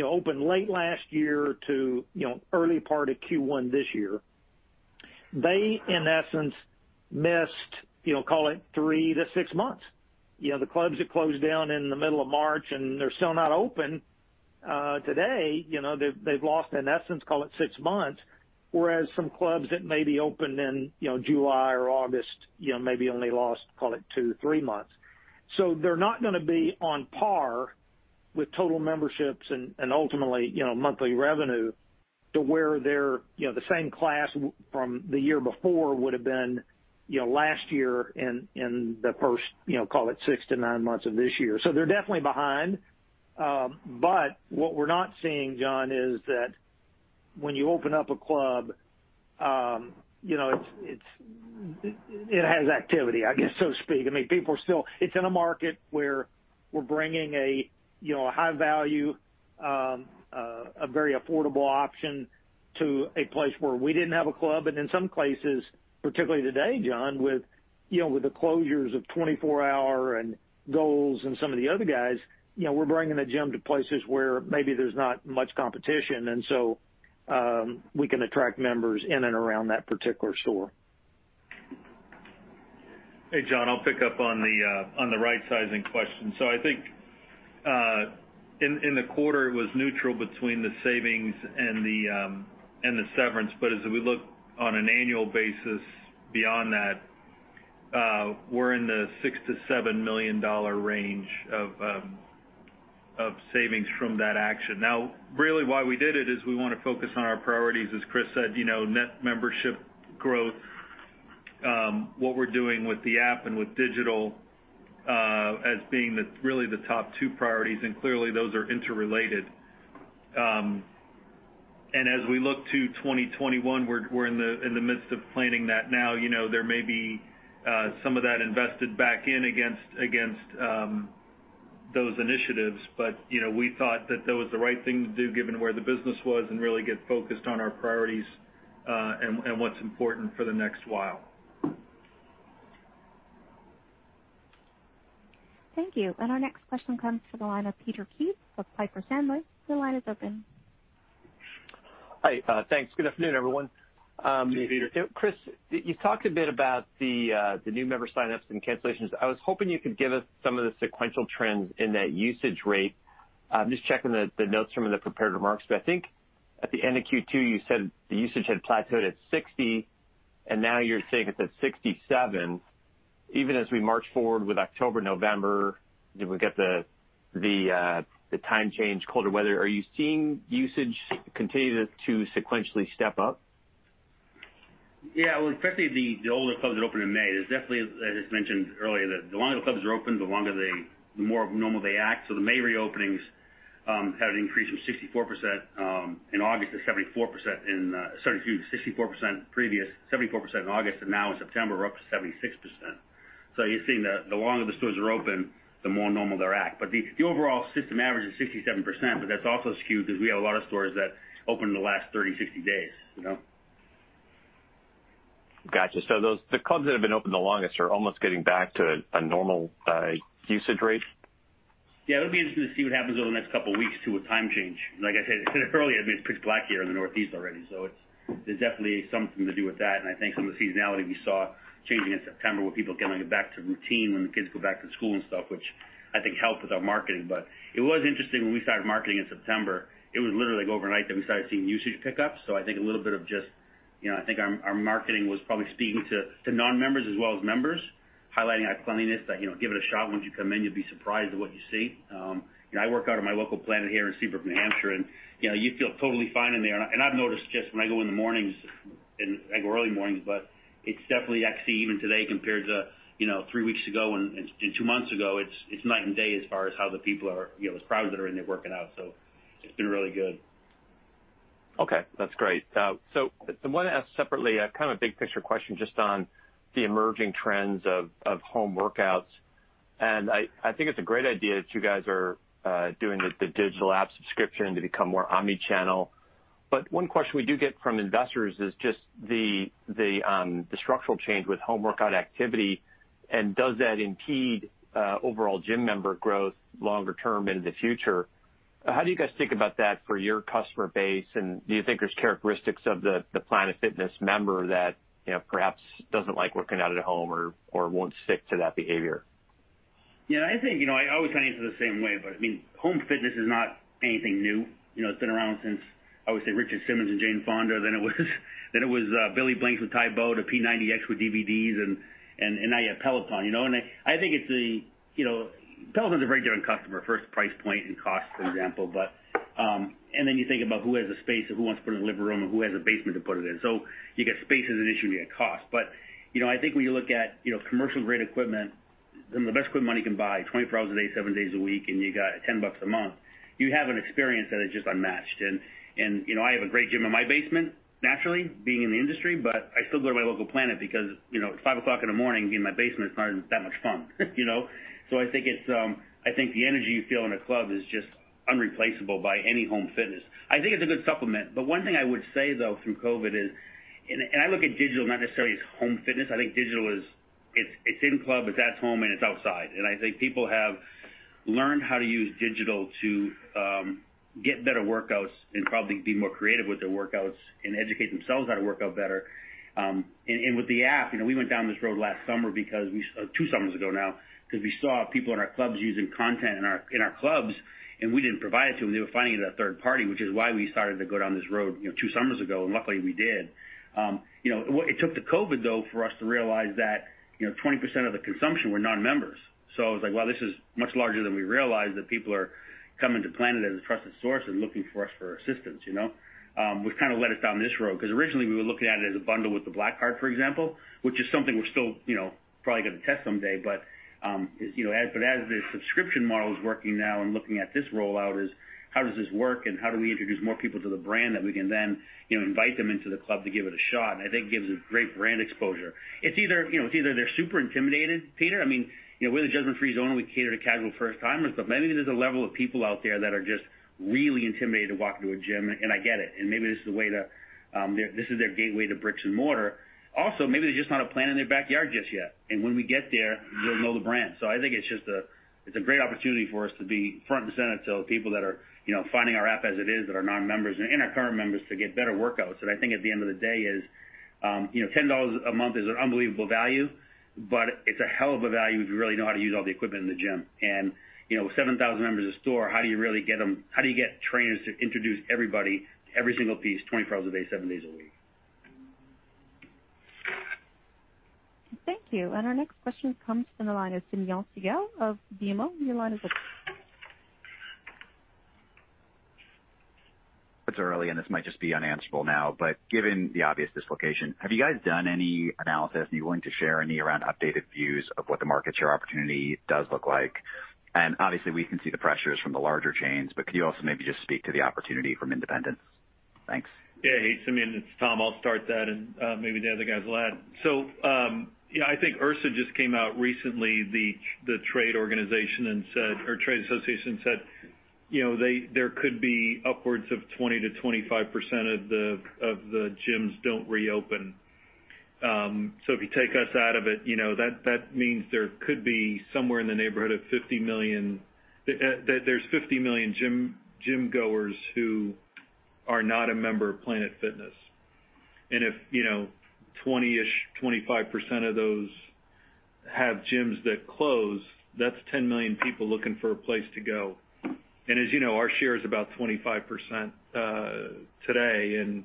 opened late last year to early part of Q1 this year, they, in essence, missed call it three to six months. The clubs that closed down in the middle of March and they're still not open today, they've lost, in essence, call it six months. Whereas some clubs that maybe opened in July or August maybe only lost call it two to three months. They're not going to be on par with total memberships and ultimately monthly revenue to where the same class from the year before would've been last year in the first call it six to nine months of this year. They're definitely behind. What we're not seeing, John, is that when you open up a club, it has activity, I guess, so to speak. It's in a market where we're bringing a high value, a very affordable option to a place where we didn't have a club. In some places, particularly today, John, with the closures of 24 Hour and Gold's Gym and some of the other guys, we're bringing a gym to places where maybe there's not much competition. So, we can attract members in and around that particular store. Hey, John, I'll pick up on the right-sizing question. I think in the quarter, it was neutral between the savings and the severance. As we look on an annual basis beyond that, we're in the $6 million-$7 million range of savings from that action. Really why we did it is we want to focus on our priorities. As Chris said, net membership growth, what we're doing with the app and with digital as being really the top two priorities, and clearly those are interrelated. As we look to 2021, we're in the midst of planning that now. There may be some of that invested back in against those initiatives. We thought that that was the right thing to do given where the business was and really get focused on our priorities, and what's important for the next while. Thank you. Our next question comes from the line of Peter Keith of Piper Sandler. Your line is open. Hi. Thanks. Good afternoon, everyone. Hey, Peter. Chris, you talked a bit about the new member sign-ups and cancellations. I was hoping you could give us some of the sequential trends in that usage rate. I'm just checking the notes from the prepared remarks, I think at the end of Q2, you said the usage had plateaued at 60, and now you're saying it's at 67. Even as we march forward with October, November, we get the time change, colder weather, are you seeing usage continue to sequentially step up? Well, especially the older clubs that opened in May. As mentioned earlier, the longer the clubs are open, the more normal they act. The May reopenings had an increase from 64% previous, 74% in August, and now in September, we're up to 76%. You're seeing the longer the stores are open, the more normal they act. The overall system average is 67%, but that's also skewed because we have a lot of stores that opened in the last 30, 60 days. Got you. The clubs that have been open the longest are almost getting back to a normal usage rate? Yeah. It'll be interesting to see what happens over the next couple of weeks, too, with time change. Like I said, I said it earlier, I mean, it's pitch black here in the Northeast already. There's definitely something to do with that. I think some of the seasonality we saw changing in September where people kind of get back to routine when the kids go back to school and stuff, which I think helped with our marketing. It was interesting when we started marketing in September, it was literally overnight that we started seeing usage pick up. I think our marketing was probably speaking to non-members as well as members, highlighting our cleanliness that, give it a shot once you come in, you'll be surprised at what you see. I work out at my local Planet here in Seabrook, New Hampshire. You feel totally fine in there. I've noticed just when I go in the mornings, like early mornings, it's definitely I see even today compared to three weeks ago and two months ago, it's night and day as far as how the people are, those crowds that are in there working out. It's been really good. Okay. That's great. I want to ask separately, kind of a big picture question just on the emerging trends of home workouts. I think it's a great idea that you guys are doing the digital app subscription to become more omnichannel. One question we do get from investors is just the structural change with home workout activity, and does that impede overall gym member growth longer term into the future? How do you guys think about that for your customer base, and do you think there's characteristics of the Planet Fitness member that perhaps doesn't like working out at home or won't stick to that behavior? I think, I always kind of answer the same way, home fitness is not anything new. It's been around since, I would say Richard Simmons and Jane Fonda, it was Billy Blanks with Tae Bo to P90X with DVDs and now you have Peloton. I think Peloton's a very different customer, first price point and cost, for example, you think about who has the space or who wants to put it in the living room or who has a basement to put it in. You get space as an issue and you get cost. I think when you look at commercial-grade equipment, the best equipment money can buy, 24 hours a day, seven days a week, and you got it $10 a month, you have an experience that is just unmatched. I have a great gym in my basement, naturally, being in the industry, but I still go to my local Planet because at 5:00 in the morning, being in my basement's not that much fun. I think the energy you feel in a club is just unreplaceable by any home fitness. I think it's a good supplement. One thing I would say, though, through COVID is, and I look at digital not necessarily as home fitness, I think digital is, it's in-club, it's at home, and it's outside. I think people have learned how to use digital to get better workouts and probably be more creative with their workouts and educate themselves how to work out better. With the app, we went down this road last summer because, two summers ago now, because we saw people in our clubs using content in our clubs, and we didn't provide it to them. They were finding it at a third party, which is why we started to go down this road two summers ago, and luckily we did. It took the COVID, though, for us to realize that 20% of the consumption were non-members. It was like, wow, this is much larger than we realized, that people are coming to Planet as a trusted source and looking for us for assistance. Which kind of led us down this road, because originally we were looking at it as a bundle with the Black Card, for example, which is something we're still probably going to test someday. As the subscription model is working now and looking at this rollout is, how does this work and how do we introduce more people to the brand that we can then invite them into the club to give it a shot? I think it gives us great brand exposure. It's either they're super intimidated, Peter. We're the Judgement Free Zone and we cater to casual first-timers, but maybe there's a level of people out there that are just really intimidated to walk into a gym, and I get it. Maybe this is their gateway to bricks and mortar. Also, maybe they just don't have Planet in their backyard just yet. When we get there, they'll know the brand. I think it's a great opportunity for us to be front and center to the people that are finding our app as it is that are non-members and our current members to get better workouts. I think at the end of the day is, $10 a month is an unbelievable value, but it's a hell of a value if you really know how to use all the equipment in the gym. With 7,000 members a store, how do you get trainers to introduce everybody to every single piece 24 hours a day, seven days a week? Thank you. Our next question comes from the line of Simeon Siegel of BMO. Your line is open. It's early, and this might just be unanswerable now, but given the obvious dislocation, have you guys done any analysis, and you're willing to share any around updated views of what the market share opportunity does look like? Obviously we can see the pressures from the larger chains, but could you also maybe just speak to the opportunity from independents? Thanks. Hey, Simeon, it's Tom. I'll start that and maybe the other guys will add. I think IHRSA just came out recently, the trade association said, there could be upwards of 20%-25% of the gyms don't reopen. If you take us out of it, that means there could be somewhere in the neighborhood of 50 million gym-goers who are not a member of Planet Fitness. If 20-ish%-25% of those have gyms that close, that's 10 million people looking for a place to go. As you know, our share is about 25% today.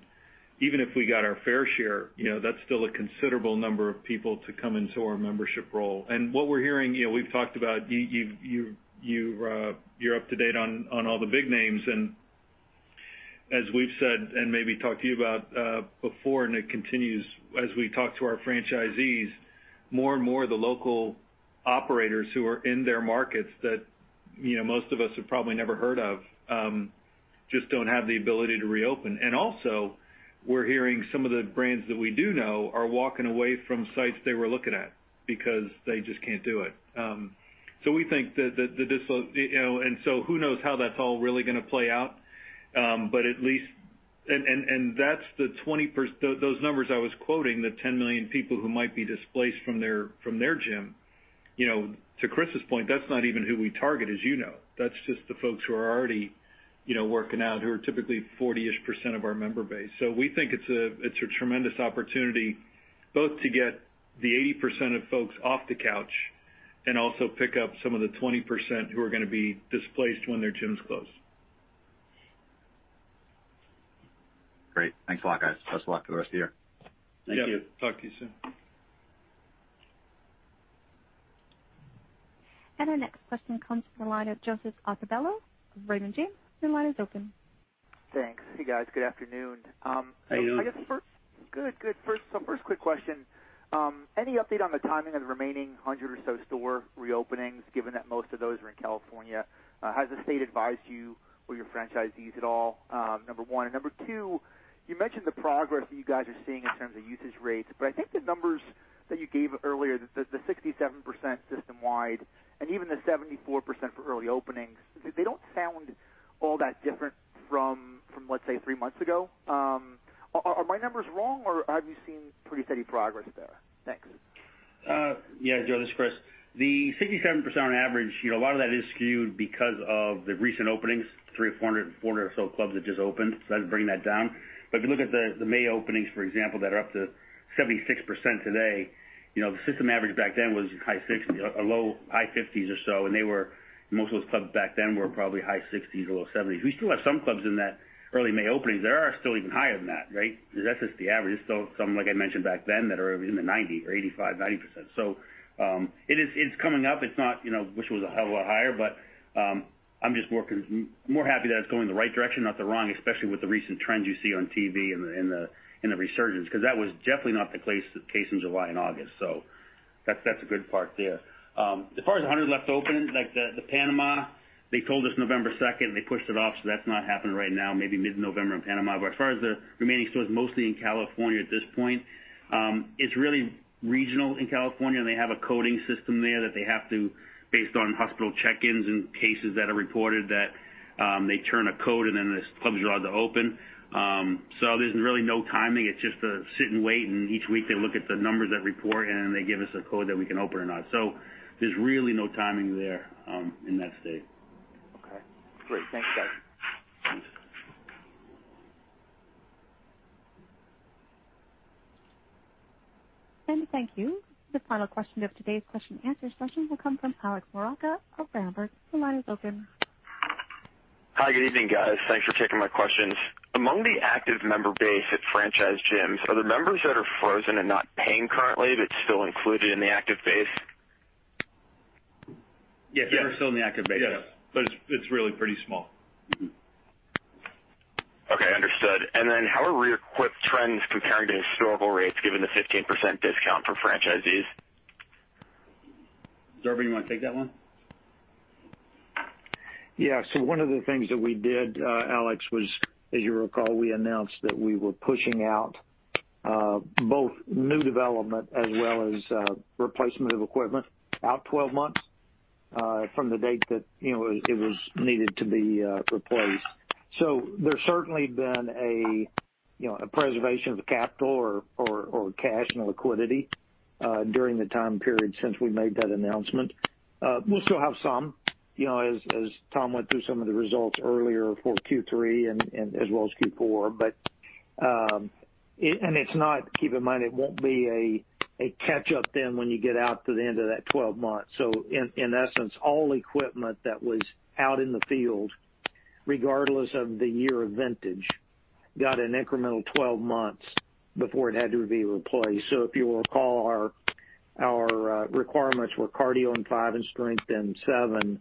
Even if we got our fair share, that's still a considerable number of people to come into our membership roll. What we're hearing, we've talked about, you're up to date on all the big names, and as we've said and maybe talked to you about before, and it continues as we talk to our franchisees, more and more of the local operators who are in their markets that most of us have probably never heard of, just don't have the ability to reopen. Also, we're hearing some of the brands that we do know are walking away from sites they were looking at because they just can't do it. Who knows how that's all really going to play out. At least, those numbers I was quoting, the 10 million people who might be displaced from their gym. To Chris's point, that's not even who we target, as you know. That's just the folks who are already working out, who are typically 40-ish% of our member base. We think it's a tremendous opportunity both to get the 80% of folks off the couch and also pick up some of the 20% who are going to be displaced when their gyms close. Great. Thanks a lot, guys. Best of luck for the rest of the year. Thank you. Talk to you soon. Our next question comes from the line of Joseph Altobello, Raymond James. Your line is open. Thanks. Hey, guys. Good afternoon. Hey. Good. First quick question. Any update on the timing of the remaining 100 or so store reopenings, given that most of those are in California? Has the state advised you or your franchisees at all? Number one. Number two, you mentioned the progress that you guys are seeing in terms of usage rates, but I think the numbers that you gave earlier, the 67% system-wide and even the 74% for early openings, they don't sound all that different from, let's say, three months ago. Are my numbers wrong, or have you seen pretty steady progress there? Thanks. Yeah, Joe, this is Chris. The 67% on average, a lot of that is skewed because of the recent openings, 300 or 400 or so clubs that just opened. That's bringing that down. If you look at the May openings, for example, that are up to 76% today, the system average back then was high 60s or low high 50s or so, and most of those clubs back then were probably high 60s or low 70s. We still have some clubs in that early May openings that are still even higher than that. That's just the average. There's still some, like I mentioned back then, that are in the 90 or 85, 90%. It's coming up. I wish it was a hell of a lot higher, but I'm just more happy that it's going the right direction, not the wrong, especially with the recent trends you see on TV and the resurgence, because that was definitely not the case in July and August. That's a good part there. As far as 100 left open, like the Panama, they told us November 2nd. They pushed it off, so that's not happening right now, maybe mid-November in Panama. As far as the remaining stores, mostly in California at this point, it's really regional in California, and they have a coding system there that they have to, based on hospital check-ins and cases that are reported, that they turn a code and then the clubs are allowed to open. There's really no timing. It's just a sit and wait. Each week they look at the numbers that report. Then they give us a code that we can open or not. There's really no timing there in that state. Okay, great. Thanks, guys. Thanks. Thank you. The final question of today's question and answer session will come from Alex Maroccia of Berenberg. Your line is open. Hi, good evening, guys. Thanks for taking my questions. Among the active member base at franchise gyms, are the members that are frozen and not paying currently, that's still included in the active base? Yes. Yes. They are still in the active base. Yes. It's really pretty small. Okay, understood. How are re-equip trends comparing to historical rates given the 15% discount for franchisees? Dorvin, you want to take that one? One of the things that we did, Alex, was, as you recall, we announced that we were pushing out both new development as well as replacement of equipment out 12 months from the date that it was needed to be replaced. We'll still have some, as Tom went through some of the results earlier for Q3 and as well as Q4. Keep in mind, it won't be a catch-up then when you get out to the end of that 12 months. In essence, all equipment that was out in the field, regardless of the year of vintage, got an incremental 12 months before it had to be replaced. If you'll recall, our requirements were cardio in five and strength in seven.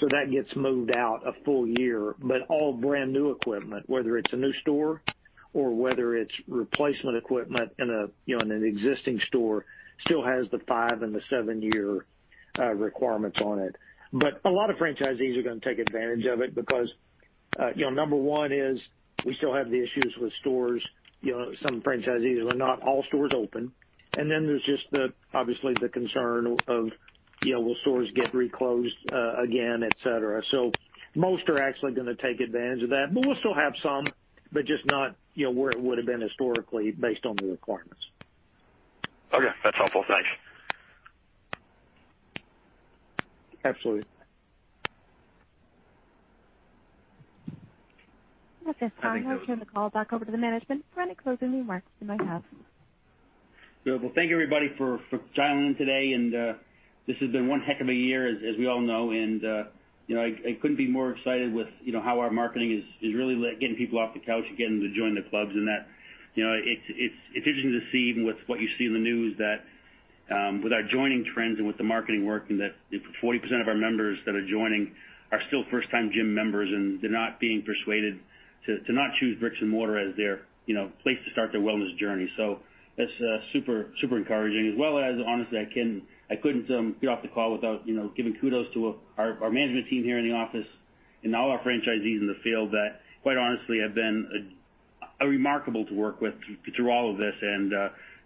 That gets moved out a full year. All brand-new equipment, whether it's a new store or whether it's replacement equipment in an existing store, still has the five and the seven year requirements on it. A lot of franchisees are going to take advantage of it because number one is we still have the issues with stores. Some franchisees are not all stores open. There's just obviously the concern of will stores get reclosed again, et cetera. Most are actually going to take advantage of that. We'll still have some, but just not where it would have been historically based on the requirements. Okay. That's helpful. Thanks. Absolutely. With this time I will turn the call back over to the management for any closing remarks they might have. Thank everybody for dialing in today, and this has been one heck of a year, as we all know, and I couldn't be more excited with how our marketing is really getting people off the couch and getting them to join the clubs and that. It's interesting to see with what you see in the news that with our joining trends and with the marketing working, that 40% of our members that are joining are still first-time gym members, and they're not being persuaded to not choose bricks and mortar as their place to start their wellness journey. That's super encouraging as well as, honestly, I couldn't get off the call without giving kudos to our management team here in the office and all our franchisees in the field that, quite honestly, have been remarkable to work with through all of this.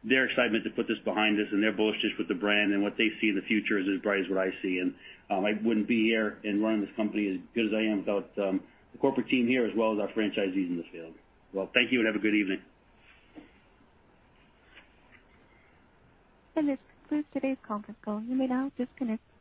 Their excitement to put this behind us and their bullishness with the brand and what they see in the future is as bright as what I see. I wouldn't be here and running this company as good as I am without the corporate team here as well as our franchisees in the field. Well, thank you and have a good evening. This concludes today's conference call. You may now disconnect.